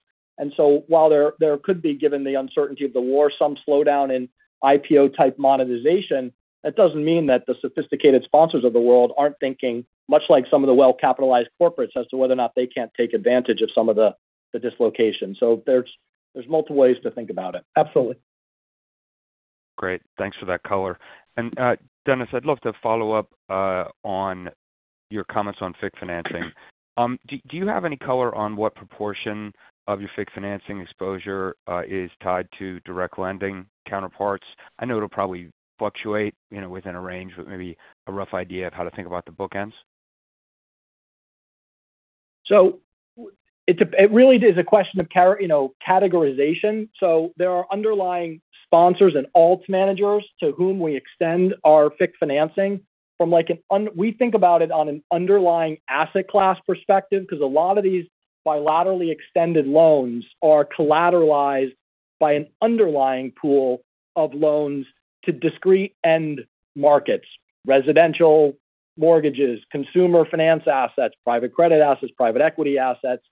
While there could be, given the uncertainty of the war, some slowdown in IPO-type monetization, that doesn't mean that the sophisticated sponsors of the world aren't thinking, much like some of the well-capitalized corporates, as to whether or not they can't take advantage of some of the dislocation. There's multiple ways to think about it. Absolutely. Great. Thanks for that color. Denis, I'd love to follow up on your comments on FICC financing. Do you have any color on what proportion of your FICC financing exposure is tied to direct lending counterparts? I know it'll probably fluctuate within a range, but maybe a rough idea of how to think about the bookends. It really is a question of categorization. There are underlying sponsors and alts managers to whom we extend our FICC financing. We think about it on an underlying asset class perspective, because a lot of these bilaterally extended loans are collateralized by an underlying pool of loans to discrete end markets, residential mortgages, consumer finance assets, private credit assets, private equity assets.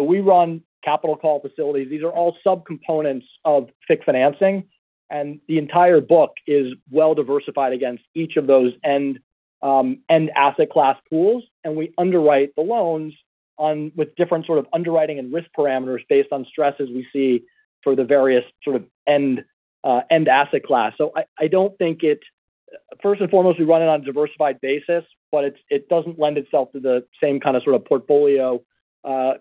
We run capital call facilities. These are all subcomponents of FICC financing, and the entire book is well diversified against each of those end asset class pools. We underwrite the loans with different sort of underwriting and risk parameters based on stresses we see for the various sort of end asset class. First and foremost, we run it on a diversified basis, but it doesn't lend itself to the same kind of sort of portfolio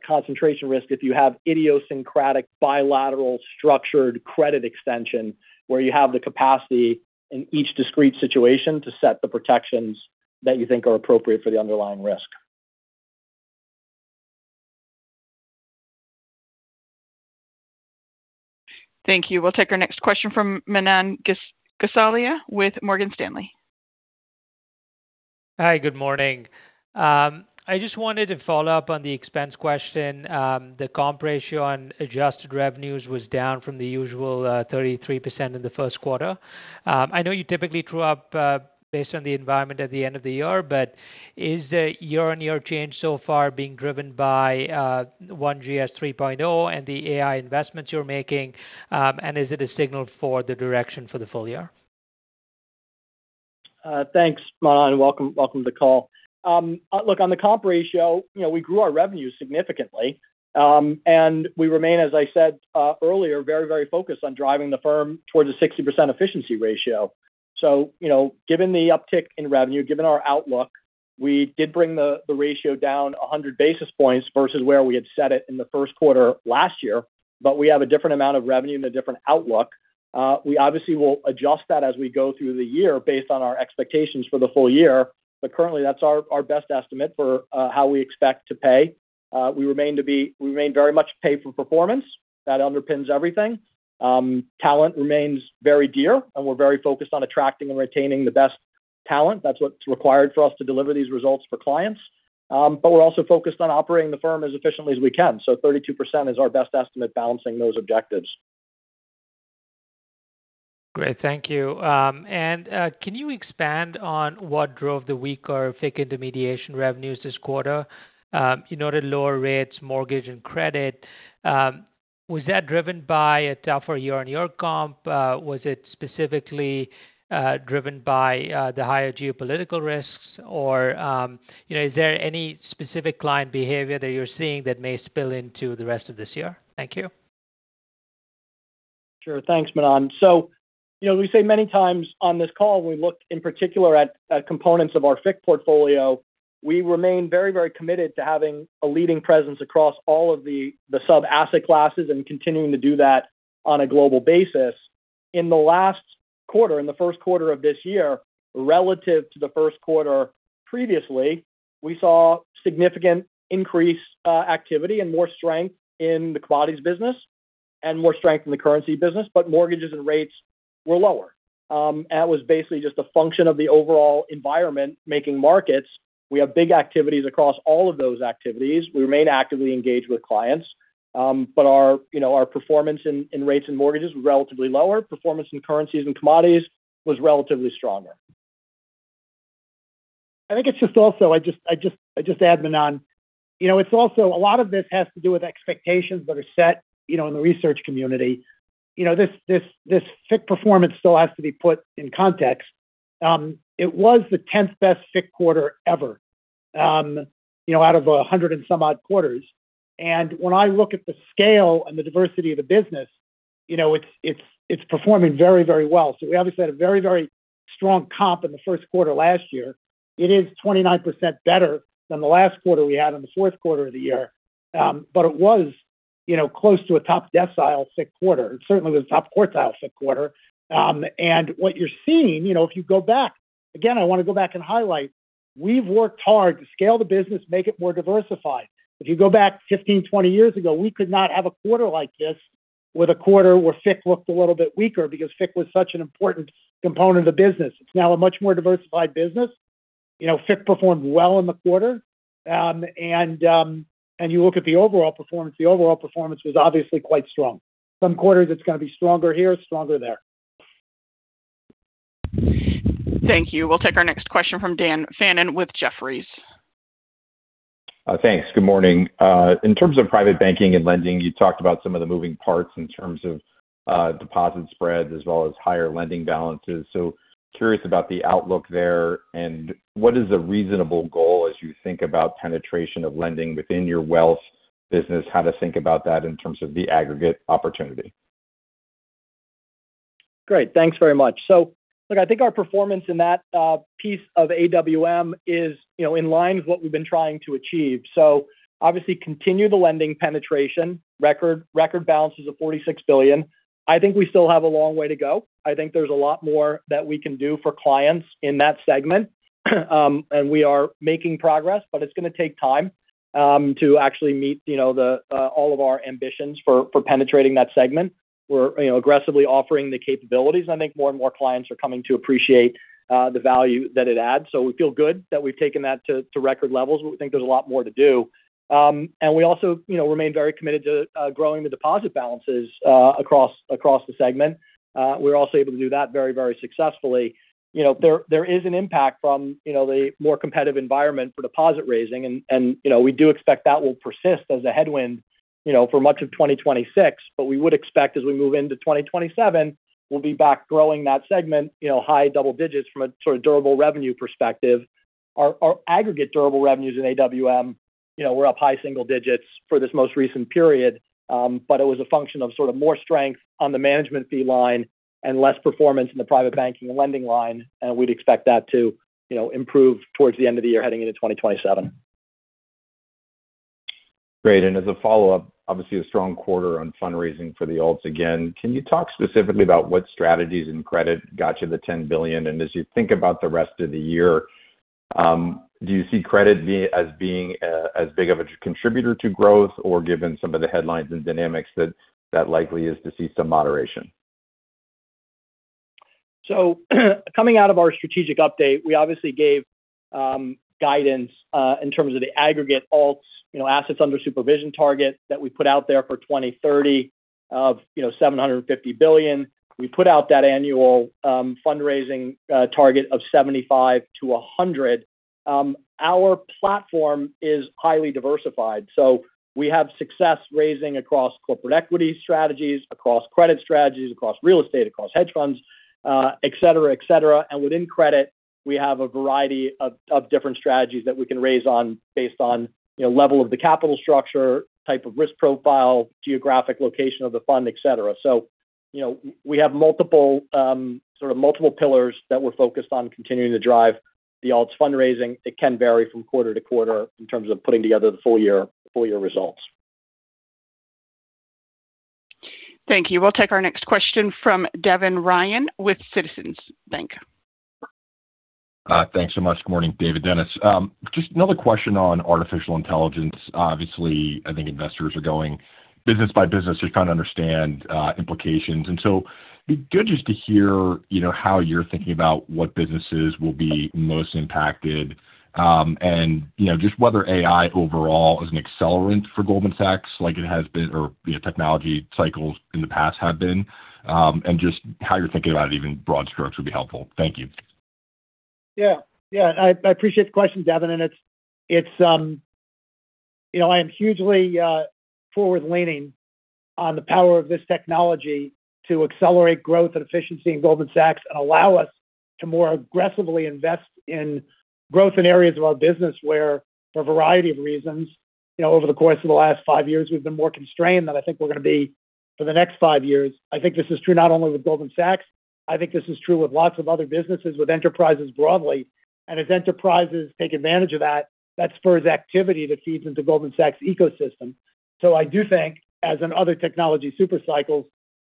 concentration risk if you have idiosyncratic, bilateral structured credit extension where you have the capacity in each discrete situation to set the protections that you think are appropriate for the underlying risk. Thank you. We'll take our next question from Manan Gosalia with Morgan Stanley. Hi, good morning. I just wanted to follow up on the expense question. The comp ratio on adjusted revenues was down from the usual 33% in the first quarter. I know you typically true up based on the environment at the end of the year, but is the YoY change so far being driven by One GS 3.0 and the AI investments you're making? Is it a signal for the direction for the full year? Thanks, Manan. Welcome to the call. Look, on the comp ratio, we grew our revenue significantly. We remain, as I said earlier, very, very focused on driving the firm towards a 60% efficiency ratio. Given the uptick in revenue, given our outlook, we did bring the ratio down 100 basis points versus where we had set it in the first quarter last year. We have a different amount of revenue and a different outlook. We obviously will adjust that as we go through the year based on our expectations for the full year. Currently, that's our best estimate for how we expect to pay. We remain very much pay for performance. That underpins everything. Talent remains very dear, and we're very focused on attracting and retaining the best talent. That's what's required for us to deliver these results for clients. We're also focused on operating the firm as efficiently as we can. 32% is our best estimate balancing those objectives. Great. Thank you. Can you expand on what drove the weaker FICC intermediation revenues this quarter? You noted lower rates, mortgage, and credit. Was that driven by a tougher YoY comp? Was it specifically driven by the higher geopolitical risks, or is there any specific client behavior that you're seeing that may spill into the rest of this year? Thank you. Sure. Thanks, Manan. We say many times on this call, when we look in particular at components of our FICC portfolio, we remain very committed to having a leading presence across all of the sub-asset classes and continuing to do that on a global basis. In the last quarter, in the first quarter of this year, relative to the first quarter previously, we saw significant increased activity and more strength in the commodities business and more strength in the currency business. Mortgages and rates were lower. It was basically just a function of the overall environment making markets. We have big activities across all of those activities. We remain actively engaged with clients. Our performance in rates and mortgages was relatively lower. Performance in currencies and commodities was relatively stronger. I think I just add, Manan, a lot of this has to do with expectations that are set in the research community. This FICC performance still has to be put in context. It was the 10th best FICC quarter ever out of 100 and some odd quarters. When I look at the scale and the diversity of the business, it's performing very well. We obviously had a very strong comp in the first quarter last year. It is 29% better than the last quarter we had in the fourth quarter of the year. It was close to a top decile FICC quarter, and certainly was a top quartile FICC quarter. What you're seeing, if you go back, again, I want to go back and highlight, we've worked hard to scale the business, make it more diversified. If you go back 15, 20 years ago, we could not have a quarter like this with a quarter where FICC looked a little bit weaker because FICC was such an important component of the business. It's now a much more diversified business. FICC performed well in the quarter. The overall performance was obviously quite strong. Some quarters it's going to be stronger here, stronger there. Thank you. We'll take our next question from Dan Fannon with Jefferies. Thanks. Good morning. In terms of private banking and lending, you talked about some of the moving parts in terms of deposit spreads as well as higher lending balances. Curious about the outlook there, and what is a reasonable goal as you think about penetration of lending within your wealth business, how to think about that in terms of the aggregate opportunity? Great. Thanks very much. Look, I think our performance in that piece of AWM is in line with what we've been trying to achieve. Obviously continue the lending penetration, record balances of $46 billion. I think we still have a long way to go. I think there's a lot more that we can do for clients in that segment. We are making progress, but it's going to take time to actually meet all of our ambitions for penetrating that segment. We're aggressively offering the capabilities, and I think more and more clients are coming to appreciate the value that it adds. We feel good that we've taken that to record levels. We think there's a lot more to do. We also remain very committed to growing the deposit balances across the segment. We're also able to do that very successfully. There is an impact from the more competitive environment for deposit raising, and we do expect that will persist as a headwind for much of 2026. We would expect as we move into 2027, we'll be back growing that segment high double digits from a sort of durable revenue perspective. Our aggregate durable revenues in AWM were up high single digits for this most recent period. It was a function of sort of more strength on the management fee line and less performance in the private banking and lending line. We'd expect that to improve towards the end of the year heading into 2027. Great. As a follow-up, obviously a strong quarter on fundraising for the alts again, can you talk specifically about what strategies in credit got you the $10 billion? As you think about the rest of the year, do you see credit as being as big of a contributor to growth? Given some of the headlines and dynamics, that likely is to see some moderation? Coming out of our strategic update, we obviously gave guidance in terms of the aggregate alts assets under supervision target that we put out there for 2030 of $750 billion. We put out that annual fundraising target of 75-100. Our platform is highly diversified. We have success raising across corporate equity strategies, across credit strategies, across real estate, across hedge funds, et cetera. Within credit, we have a variety of different strategies that we can raise based on level of the capital structure, type of risk profile, geographic location of the fund, et cetera. We have sort of multiple pillars that we're focused on continuing to drive the alts fundraising. It can vary from quarter to quarter in terms of putting together the full-year results. Thank you. We'll take our next question from Devin Ryan with Citizens Bank. Thanks so much. Morning, David, Denis. Just another question on artificial intelligence. Obviously, I think investors are going business by business to try and understand implications. It'd be good just to hear how you're thinking about what businesses will be most impacted. Just whether AI overall is an accelerant for Goldman Sachs like it has been or technology cycles in the past have been. Just how you're thinking about even broad strokes would be helpful. Thank you. Yeah. I appreciate the question, Devin. I am hugely forward-leaning on the power of this technology to accelerate growth and efficiency in Goldman Sachs and allow us to more aggressively invest in growth in areas of our business where, for a variety of reasons, over the course of the last five years, we've been more constrained than I think we're going to be for the next five years. I think this is true not only with Goldman Sachs. I think this is true with lots of other businesses, with enterprises broadly. As enterprises take advantage of that spurs activity that feeds into Goldman Sachs' ecosystem. I do think, as in other technology super cycles,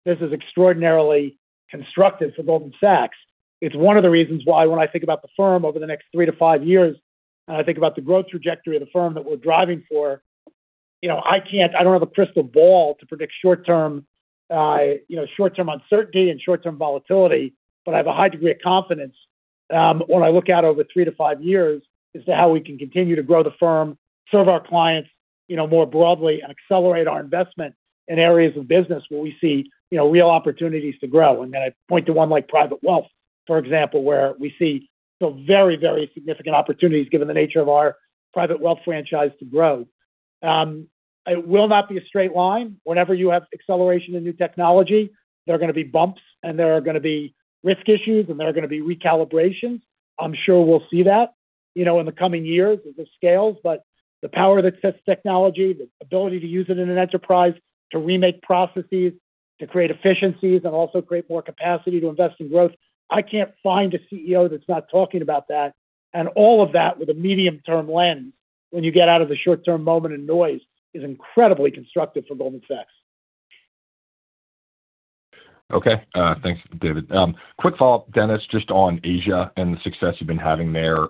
this is extraordinarily constructive for Goldman Sachs. It's one of the reasons why when I think about the Firm over the next three-five years, and I think about the growth trajectory of the Firm that we're driving for, I don't have a crystal ball to predict short-term uncertainty and short-term volatility, but I have a high degree of confidence when I look out over three-five years as to how we can continue to grow the Firm, serve our clients more broadly, and accelerate our investment in areas of business where we see real opportunities to grow. I point to one like Private Wealth, for example, where we see some very significant opportunities given the nature of our Private Wealth franchise to grow. It will not be a straight line. Whenever you have acceleration in new technology, there are going to be bumps, and there are going to be risk issues, and there are going to be recalibrations. I'm sure we'll see that in the coming years as this scales. The power that sets technology, the ability to use it in an enterprise to remake processes, to create efficiencies, and also create more capacity to invest in growth, I can't find a CEO that's not talking about that. All of that with a medium-term lens when you get out of the short-term moment and noise is incredibly constructive for Goldman Sachs. Okay. Thanks, David. Quick follow-up, Denis, just on Asia and the success you've been having there.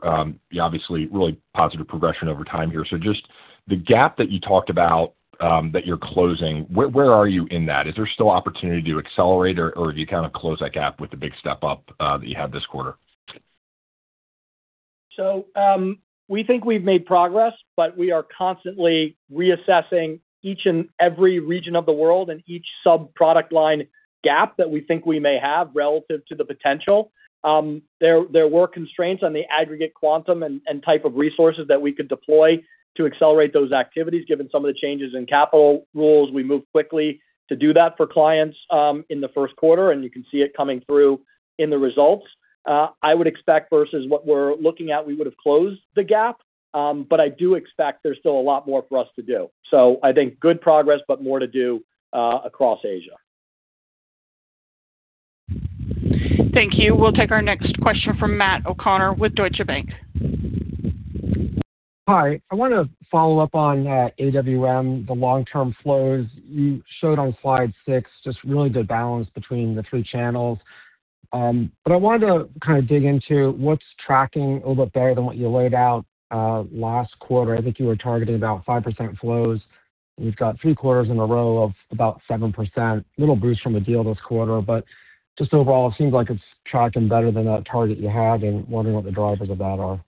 Obviously, really positive progression over time here. Just the gap that you talked about that you're closing, where are you in that? Is there still opportunity to accelerate, or have you kind of closed that gap with the big step up that you had this quarter? We think we've made progress, but we are constantly reassessing each and every region of the world and each sub-product line gap that we think we may have relative to the potential. There were constraints on the aggregate quantum and type of resources that we could deploy to accelerate those activities, given some of the changes in capital rules. We moved quickly to do that for clients in the first quarter, and you can see it coming through in the results. I would expect versus what we're looking at, we would have closed the gap. I do expect there's still a lot more for us to do. I think good progress, but more to do across Asia. Thank you. We'll take our next question from Matt O'Connor with Deutsche Bank. Hi. I want to follow up on AWM, the long-term flows you showed on slide six, just really the balance between the three channels. I wanted to kind of dig into what's tracking a little bit better than what you laid out last quarter. I think you were targeting about 5% flows. You've got three quarters in a row of about 7%. Little boost from a deal this quarter, but just overall, it seems like it's tracking better than that target you had and wondering what the drivers of that are?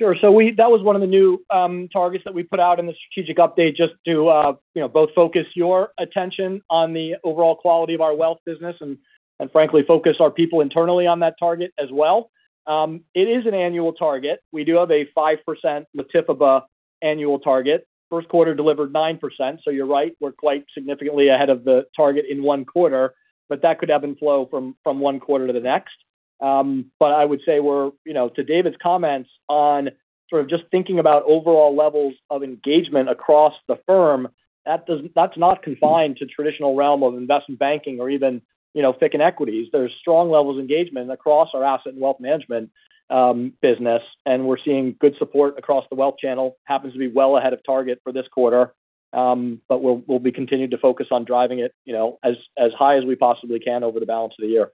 Sure. That was one of the new targets that we put out in the strategic update, just to both focus your attention on the overall quality of our wealth business and frankly, focus our people internally on that target as well. It is an annual target. We do have a 5% mid-TPBA annual target. First quarter delivered 9%. You're right, we're quite significantly ahead of the target in one quarter. That could ebb and flow from one quarter to the next. I would say to David's comments on sort of just thinking about overall levels of engagement across the firm, that's not confined to traditional realm of investment banking or even FICC and equities. There's strong levels of engagement across our Asset and Wealth Management business, and we're seeing good support across the wealth channel. Happens to be well ahead of target for this quarter. We'll be continuing to focus on driving it as high as we possibly can over the balance of the year.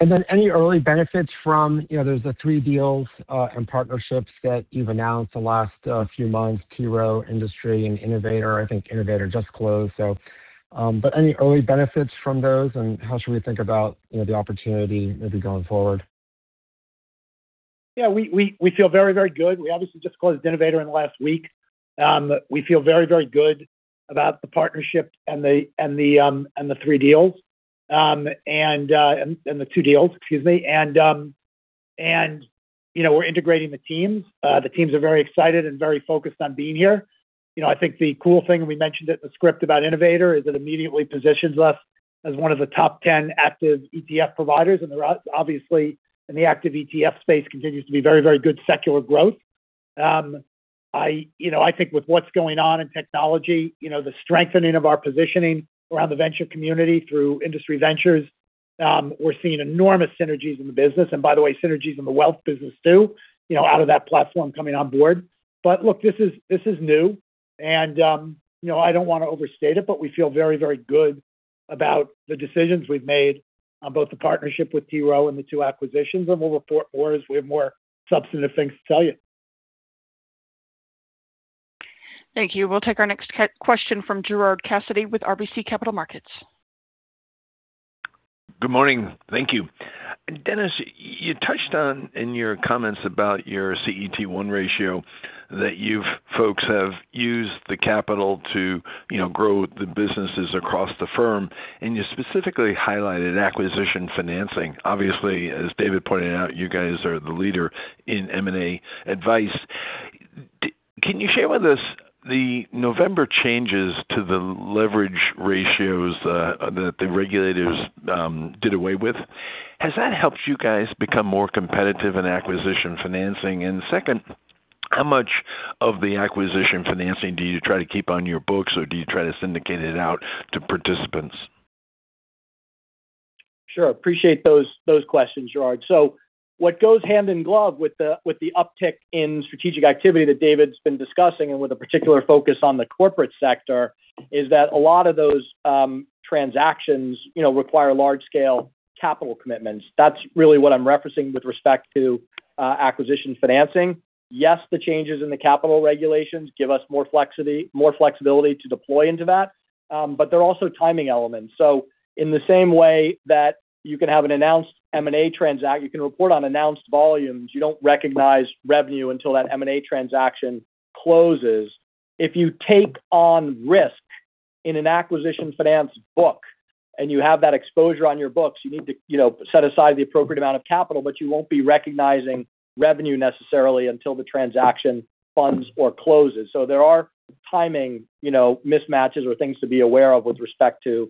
Any early benefits from the three deals and partnerships that you've announced the last few months, T. Rowe, Industry, and Innovator? I think Innovator just closed. Any early benefits from those, and how should we think about the opportunity maybe going forward? Yeah, we feel very good. We obviously just closed Innovator in the last week. We feel very good about the partnership and the two deals, excuse me. We're integrating the teams. The teams are very excited and very focused on being here. I think the cool thing, and we mentioned it in the script about Innovator, is it immediately positions us as one of the top 10 active ETF providers. Obviously in the active ETF space continues to be very good secular growth. I think with what's going on in technology, the strengthening of our positioning around the venture community through Industry Ventures, we're seeing enormous synergies in the business. By the way, synergies in the wealth business too out of that platform coming on board. Look, this is new, and I don't want to overstate it, but we feel very good about the decisions we've made on both the partnership with T. Rowe and the two acquisitions. We'll report more as we have more substantive things to tell you. Thank you. We'll take our next question from Gerard Cassidy with RBC Capital Markets. Good morning. Thank you. Denis, you touched on in your comments about your CET1 ratio that you folks have used the capital to grow the businesses across the firm, and you specifically highlighted acquisition financing. Obviously, as David pointed out, you guys are the leader in M&A advice. Can you share with us the November changes to the leverage ratios that the regulators did away with? Has that helped you guys become more competitive in acquisition financing? Second, how much of the acquisition financing do you try to keep on your books, or do you try to syndicate it out to participants? Sure. Appreciate those questions, Gerard. What goes hand in glove with the uptick in strategic activity that David's been discussing, and with a particular focus on the corporate sector, is that a lot of those transactions require large-scale capital commitments. That's really what I'm referencing with respect to acquisition financing. Yes, the changes in the capital regulations give us more flexibility to deploy into that. There are also timing elements. In the same way that you can have an announced M&A, you can report on announced volumes, you don't recognize revenue until that M&A transaction closes. If you take on risk in an acquisition finance book, and you have that exposure on your books, you need to set aside the appropriate amount of capital, but you won't be recognizing revenue necessarily until the transaction funds or closes. There are timing mismatches or things to be aware of with respect to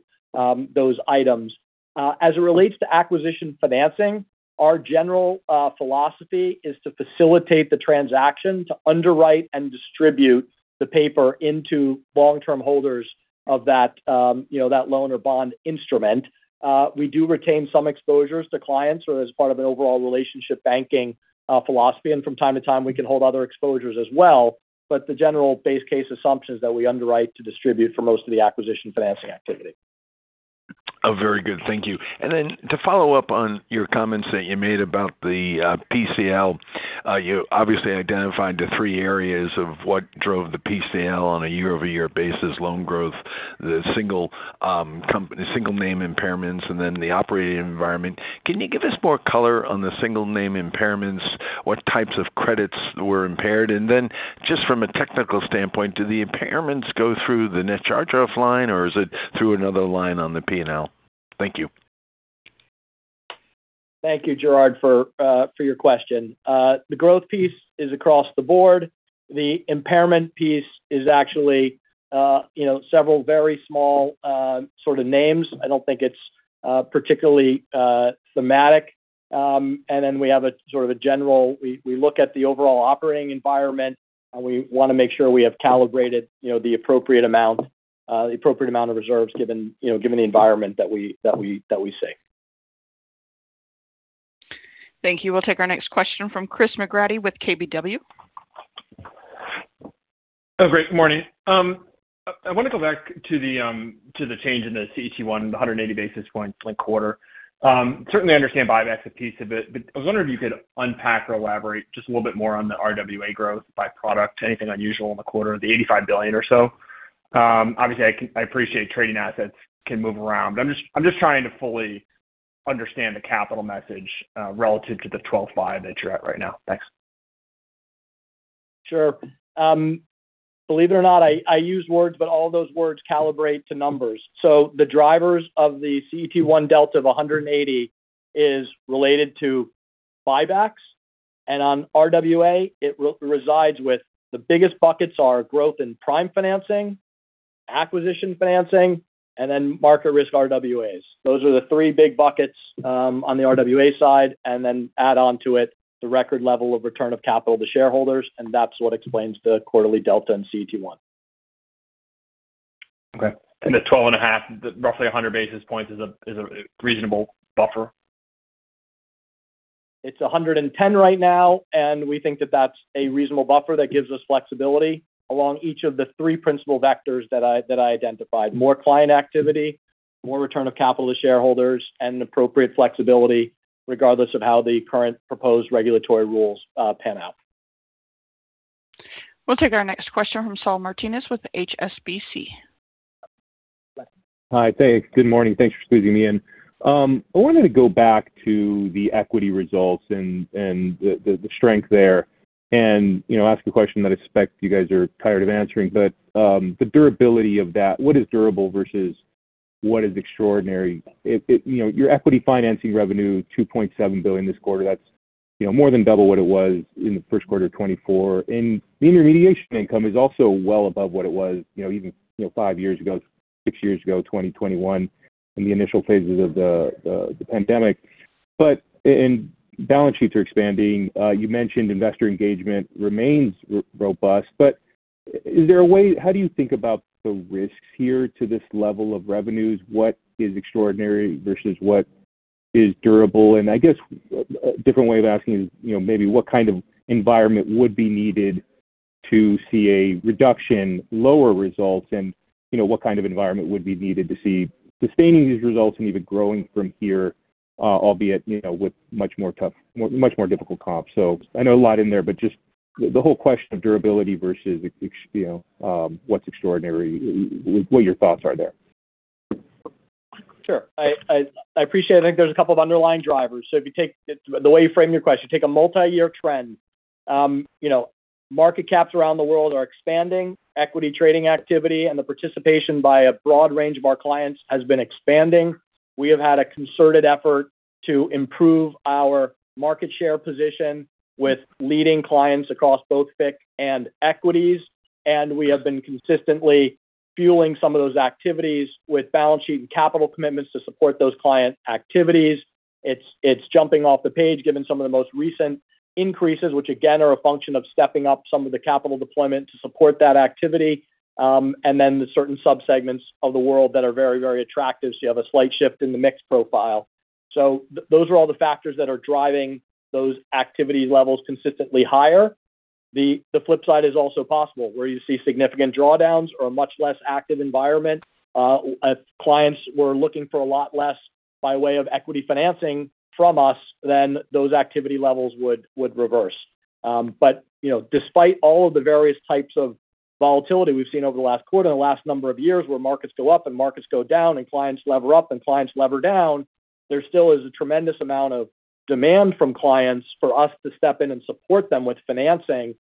those items. As it relates to acquisition financing, our general philosophy is to facilitate the transaction, to underwrite and distribute the paper into long-term holders of that loan or bond instrument. We do retain some exposures to clients or as part of an overall relationship banking philosophy. From time to time, we can hold other exposures as well. The general base case assumption is that we underwrite to distribute for most of the acquisition financing activity. Very good. Thank you. To follow up on your comments that you made about the PCL, you obviously identified the three areas of what drove the PCL on a YoYbasis, loan growth, the single name impairments, and then the operating environment. Can you give us more color on the single name impairments? What types of credits were impaired? Just from a technical standpoint, do the impairments go through the net charge-off line, or is it through another line on the P&L? Thank you. Thank you, Gerard, for your question. The growth piece is across the board. The impairment piece is actually several very small sort of names. I don't think it's particularly thematic. We look at the overall operating environment, and we want to make sure we have calibrated the appropriate amount of reserves given the environment that we see. Thank you. We'll take our next question from Chris McGratty with KBW. Oh, great morning. I want to go back to the change in the CET1, the 180 basis points quarter. Certainly understand buybacks a piece of it, but I was wondering if you could unpack or elaborate just a little bit more on the RWA growth by product. Anything unusual in the quarter, the $85 billion or so? Obviously, I appreciate trading assets can move around, but I'm just trying to fully understand the capital message relative to the 12.5% that you're at right now. Thanks. Sure. Believe it or not, I use words, but all those words calibrate to numbers. The drivers of the CET1 delta of 180 is related to buybacks. On RWA, it resides with the biggest buckets are growth in prime financing, acquisition financing, and then market risk RWAs. Those are the three big buckets on the RWA side, and then add on to it the record level of return of capital to shareholders, and that's what explains the quarterly delta in CET1. Okay. The 12.5, roughly 100 basis points is a reasonable buffer? It's 110 right now. We think that that's a reasonable buffer that gives us flexibility along each of the three principal vectors that I identified, more client activity, more return of capital to shareholders, and appropriate flexibility regardless of how the current proposed regulatory rules pan out. We'll take our next question from Saul Martinez with HSBC. Hi. Thanks. Good morning. Thanks for squeezing me in. I wanted to go back to the equity results and the strength there and ask a question that I suspect you guys are tired of answering. The durability of that, what is durable versus what is extraordinary? Your equity financing revenue $2.7 billion this quarter, that's more than double what it was in the first quarter of 2024. The intermediation income is also well above what it was even five years ago, six years ago, 2021 in the initial phases of the pandemic. Balance sheets are expanding. You mentioned investor engagement remains robust. Is there a way, how do you think about the risks here to this level of revenues? What is extraordinary versus what is durable? I guess a different way of asking is maybe what kind of environment would be needed to see a reduction, lower results, and what kind of environment would be needed to see sustaining these results and even growing from here, albeit with much more difficult comps. I know a lot in there, but just the whole question of durability versus what's extraordinary, what your thoughts are there. Sure. I appreciate. I think there's a couple of underlying drivers. If you take the way you frame your question, take a multi-year trend. Market caps around the world are expanding. Equity trading activity and the participation by a broad range of our clients has been expanding. We have had a concerted effort to improve our market share position with leading clients across both FICC and equities. We have been consistently fueling some of those activities with balance sheet and capital commitments to support those client activities. It's jumping off the page given some of the most recent increases, which again, are a function of stepping up some of the capital deployment to support that activity. The certain sub-segments of the world that are very, very attractive, so you have a slight shift in the mix profile. Those are all the factors that are driving those activity levels consistently higher. The flip side is also possible where you see significant drawdowns or a much less active environment. If clients were looking for a lot less by way of equity financing from us, then those activity levels would reverse. Despite all of the various types of volatility we've seen over the last quarter, in the last number of years, where markets go up and markets go down and clients lever up and clients lever down, there still is a tremendous amount of demand from clients for us to step in and support them with financing.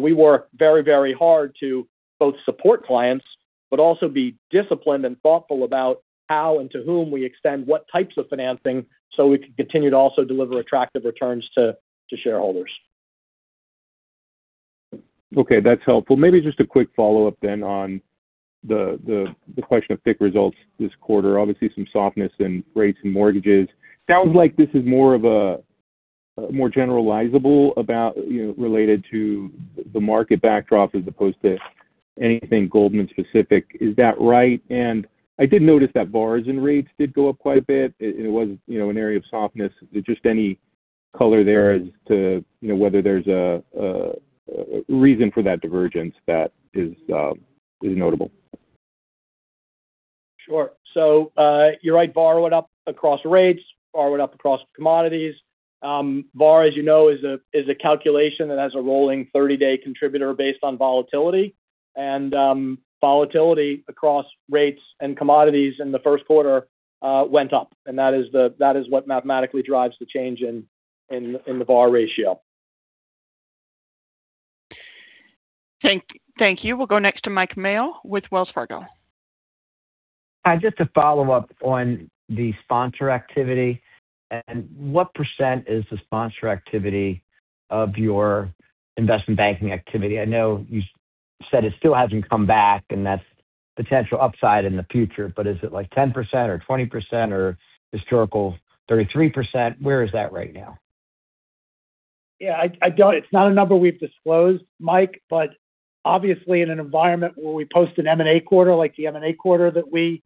We work very, very hard to both support clients, but also be disciplined and thoughtful about how and to whom we extend what types of financing so we can continue to also deliver attractive returns to shareholders. Okay, that's helpful. Maybe just a quick follow-up then on the question of FICC results this quarter. Obviously some softness in rates and mortgages. Sounds like this is more generalizable about related to the market backdrop as opposed to anything Goldman specific. Is that right? I did notice that VaR in rates did go up quite a bit. It was an area of softness. Just any color there as to whether there's a reason for that divergence that is notable. Sure. You're right. VaR up across rates. VaR up across commodities. VaR, as you know, is a calculation that has a rolling 30-day contributor based on volatility. Volatility across rates and commodities in the first quarter went up. That is what mathematically drives the change in the VaR ratio. Thank you. We'll go next to Mike Mayo with Wells Fargo. Just to follow up on the sponsor activity, what percent is the sponsor activity of your investment banking activity? I know you said it still hasn't come back. That's potential upside in the future. Is it like 10% or 20% or historical 33%? Where is that right now? Yeah, it's not a number we've disclosed, Mike. Obviously in an environment where we post an M&A quarter like the M&A quarter that we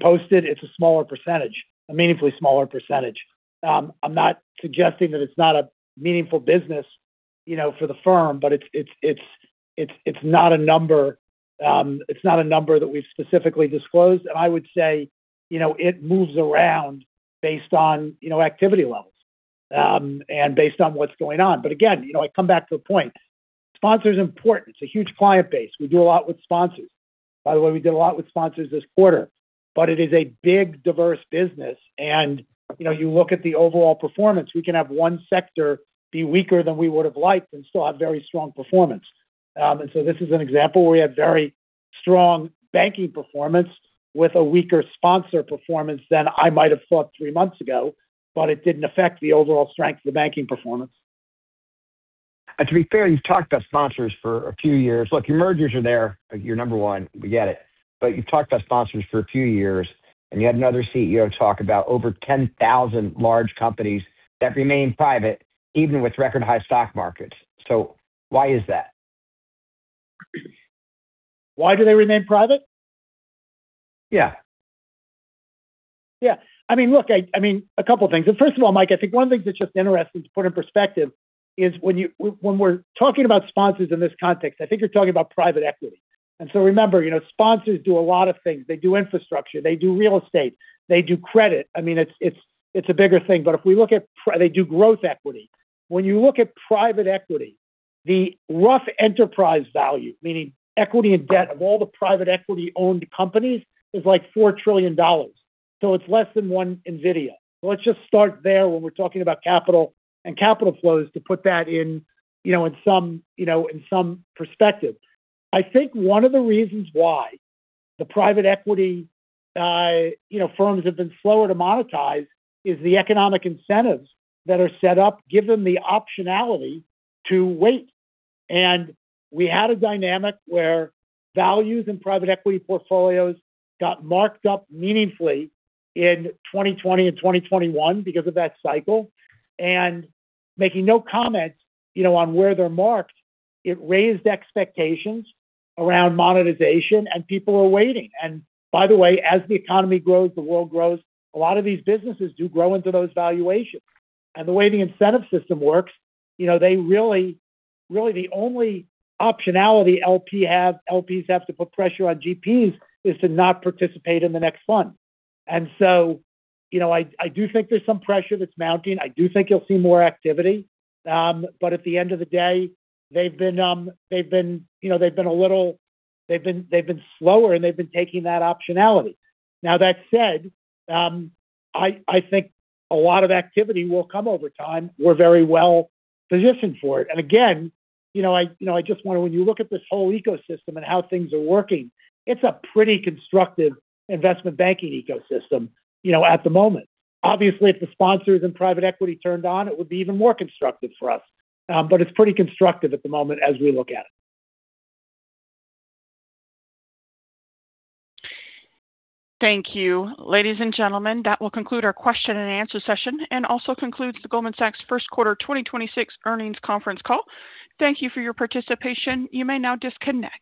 posted, it's a smaller percentage, a meaningfully smaller percentage. I'm not suggesting that it's not a meaningful business for the firm, but it's not a number that we've specifically disclosed. I would say it moves around based on activity levels, and based on what's going on. Again, I come back to a point. Sponsor is important. It's a huge client base. We do a lot with sponsors. By the way, we did a lot with sponsors this quarter. It is a big, diverse business. You look at the overall performance, we can have one sector be weaker than we would've liked and still have very strong performance. This is an example where we had very strong banking performance with a weaker sponsor performance than I might have thought three months ago, but it didn't affect the overall strength of the banking performance. To be fair, you've talked about sponsors for a few years. Look, your mergers are there. You're number one, we get it. You've talked about sponsors for a few years, and you had another CEO talk about over 10,000 large companies that remain private even with record high stock markets. Why is that? Why do they remain private? Yeah. Yeah. I mean, look, a couple things. First of all, Mike, I think one of the things that's just interesting to put in perspective is when we're talking about sponsors in this context, I think you're talking about private equity. Remember, sponsors do a lot of things. They do infrastructure, they do real estate, they do credit. I mean, it's a bigger thing. They do growth equity. When you look at private equity, the rough enterprise value, meaning equity and debt of all the private equity-owned companies, is like $4 trillion. It's less than one NVIDIA. Let's just start there when we're talking about capital and capital flows to put that in some perspective. I think one of the reasons why the private equity firms have been slower to monetize is the economic incentives that are set up give them the optionality to wait. We had a dynamic where values in private equity portfolios got marked up meaningfully in 2020 and 2021 because of that cycle, and making no comments on where they're marked, it raised expectations around monetization and people are waiting. By the way, as the economy grows, the world grows. A lot of these businesses do grow into those valuations. The way the incentive system works, really the only optionality LPs have to put pressure on GPs is to not participate in the next fund. I do think there's some pressure that's mounting. I do think you'll see more activity. At the end of the day, they've been slower, and they've been taking that optionality. Now, that said, I think a lot of activity will come over time. We're very well-positioned for it. Again, when you look at this whole ecosystem and how things are working, it's a pretty constructive investment banking ecosystem, at the moment. Obviously, if the sponsors in private equity turned on, it would be even more constructive for us. It's pretty constructive at the moment as we look at it. Thank you. Ladies and gentlemen, that will conclude our question and answer session and also concludes the Goldman Sachs first quarter 2026 earnings conference call. Thank you for your participation. You may now disconnect.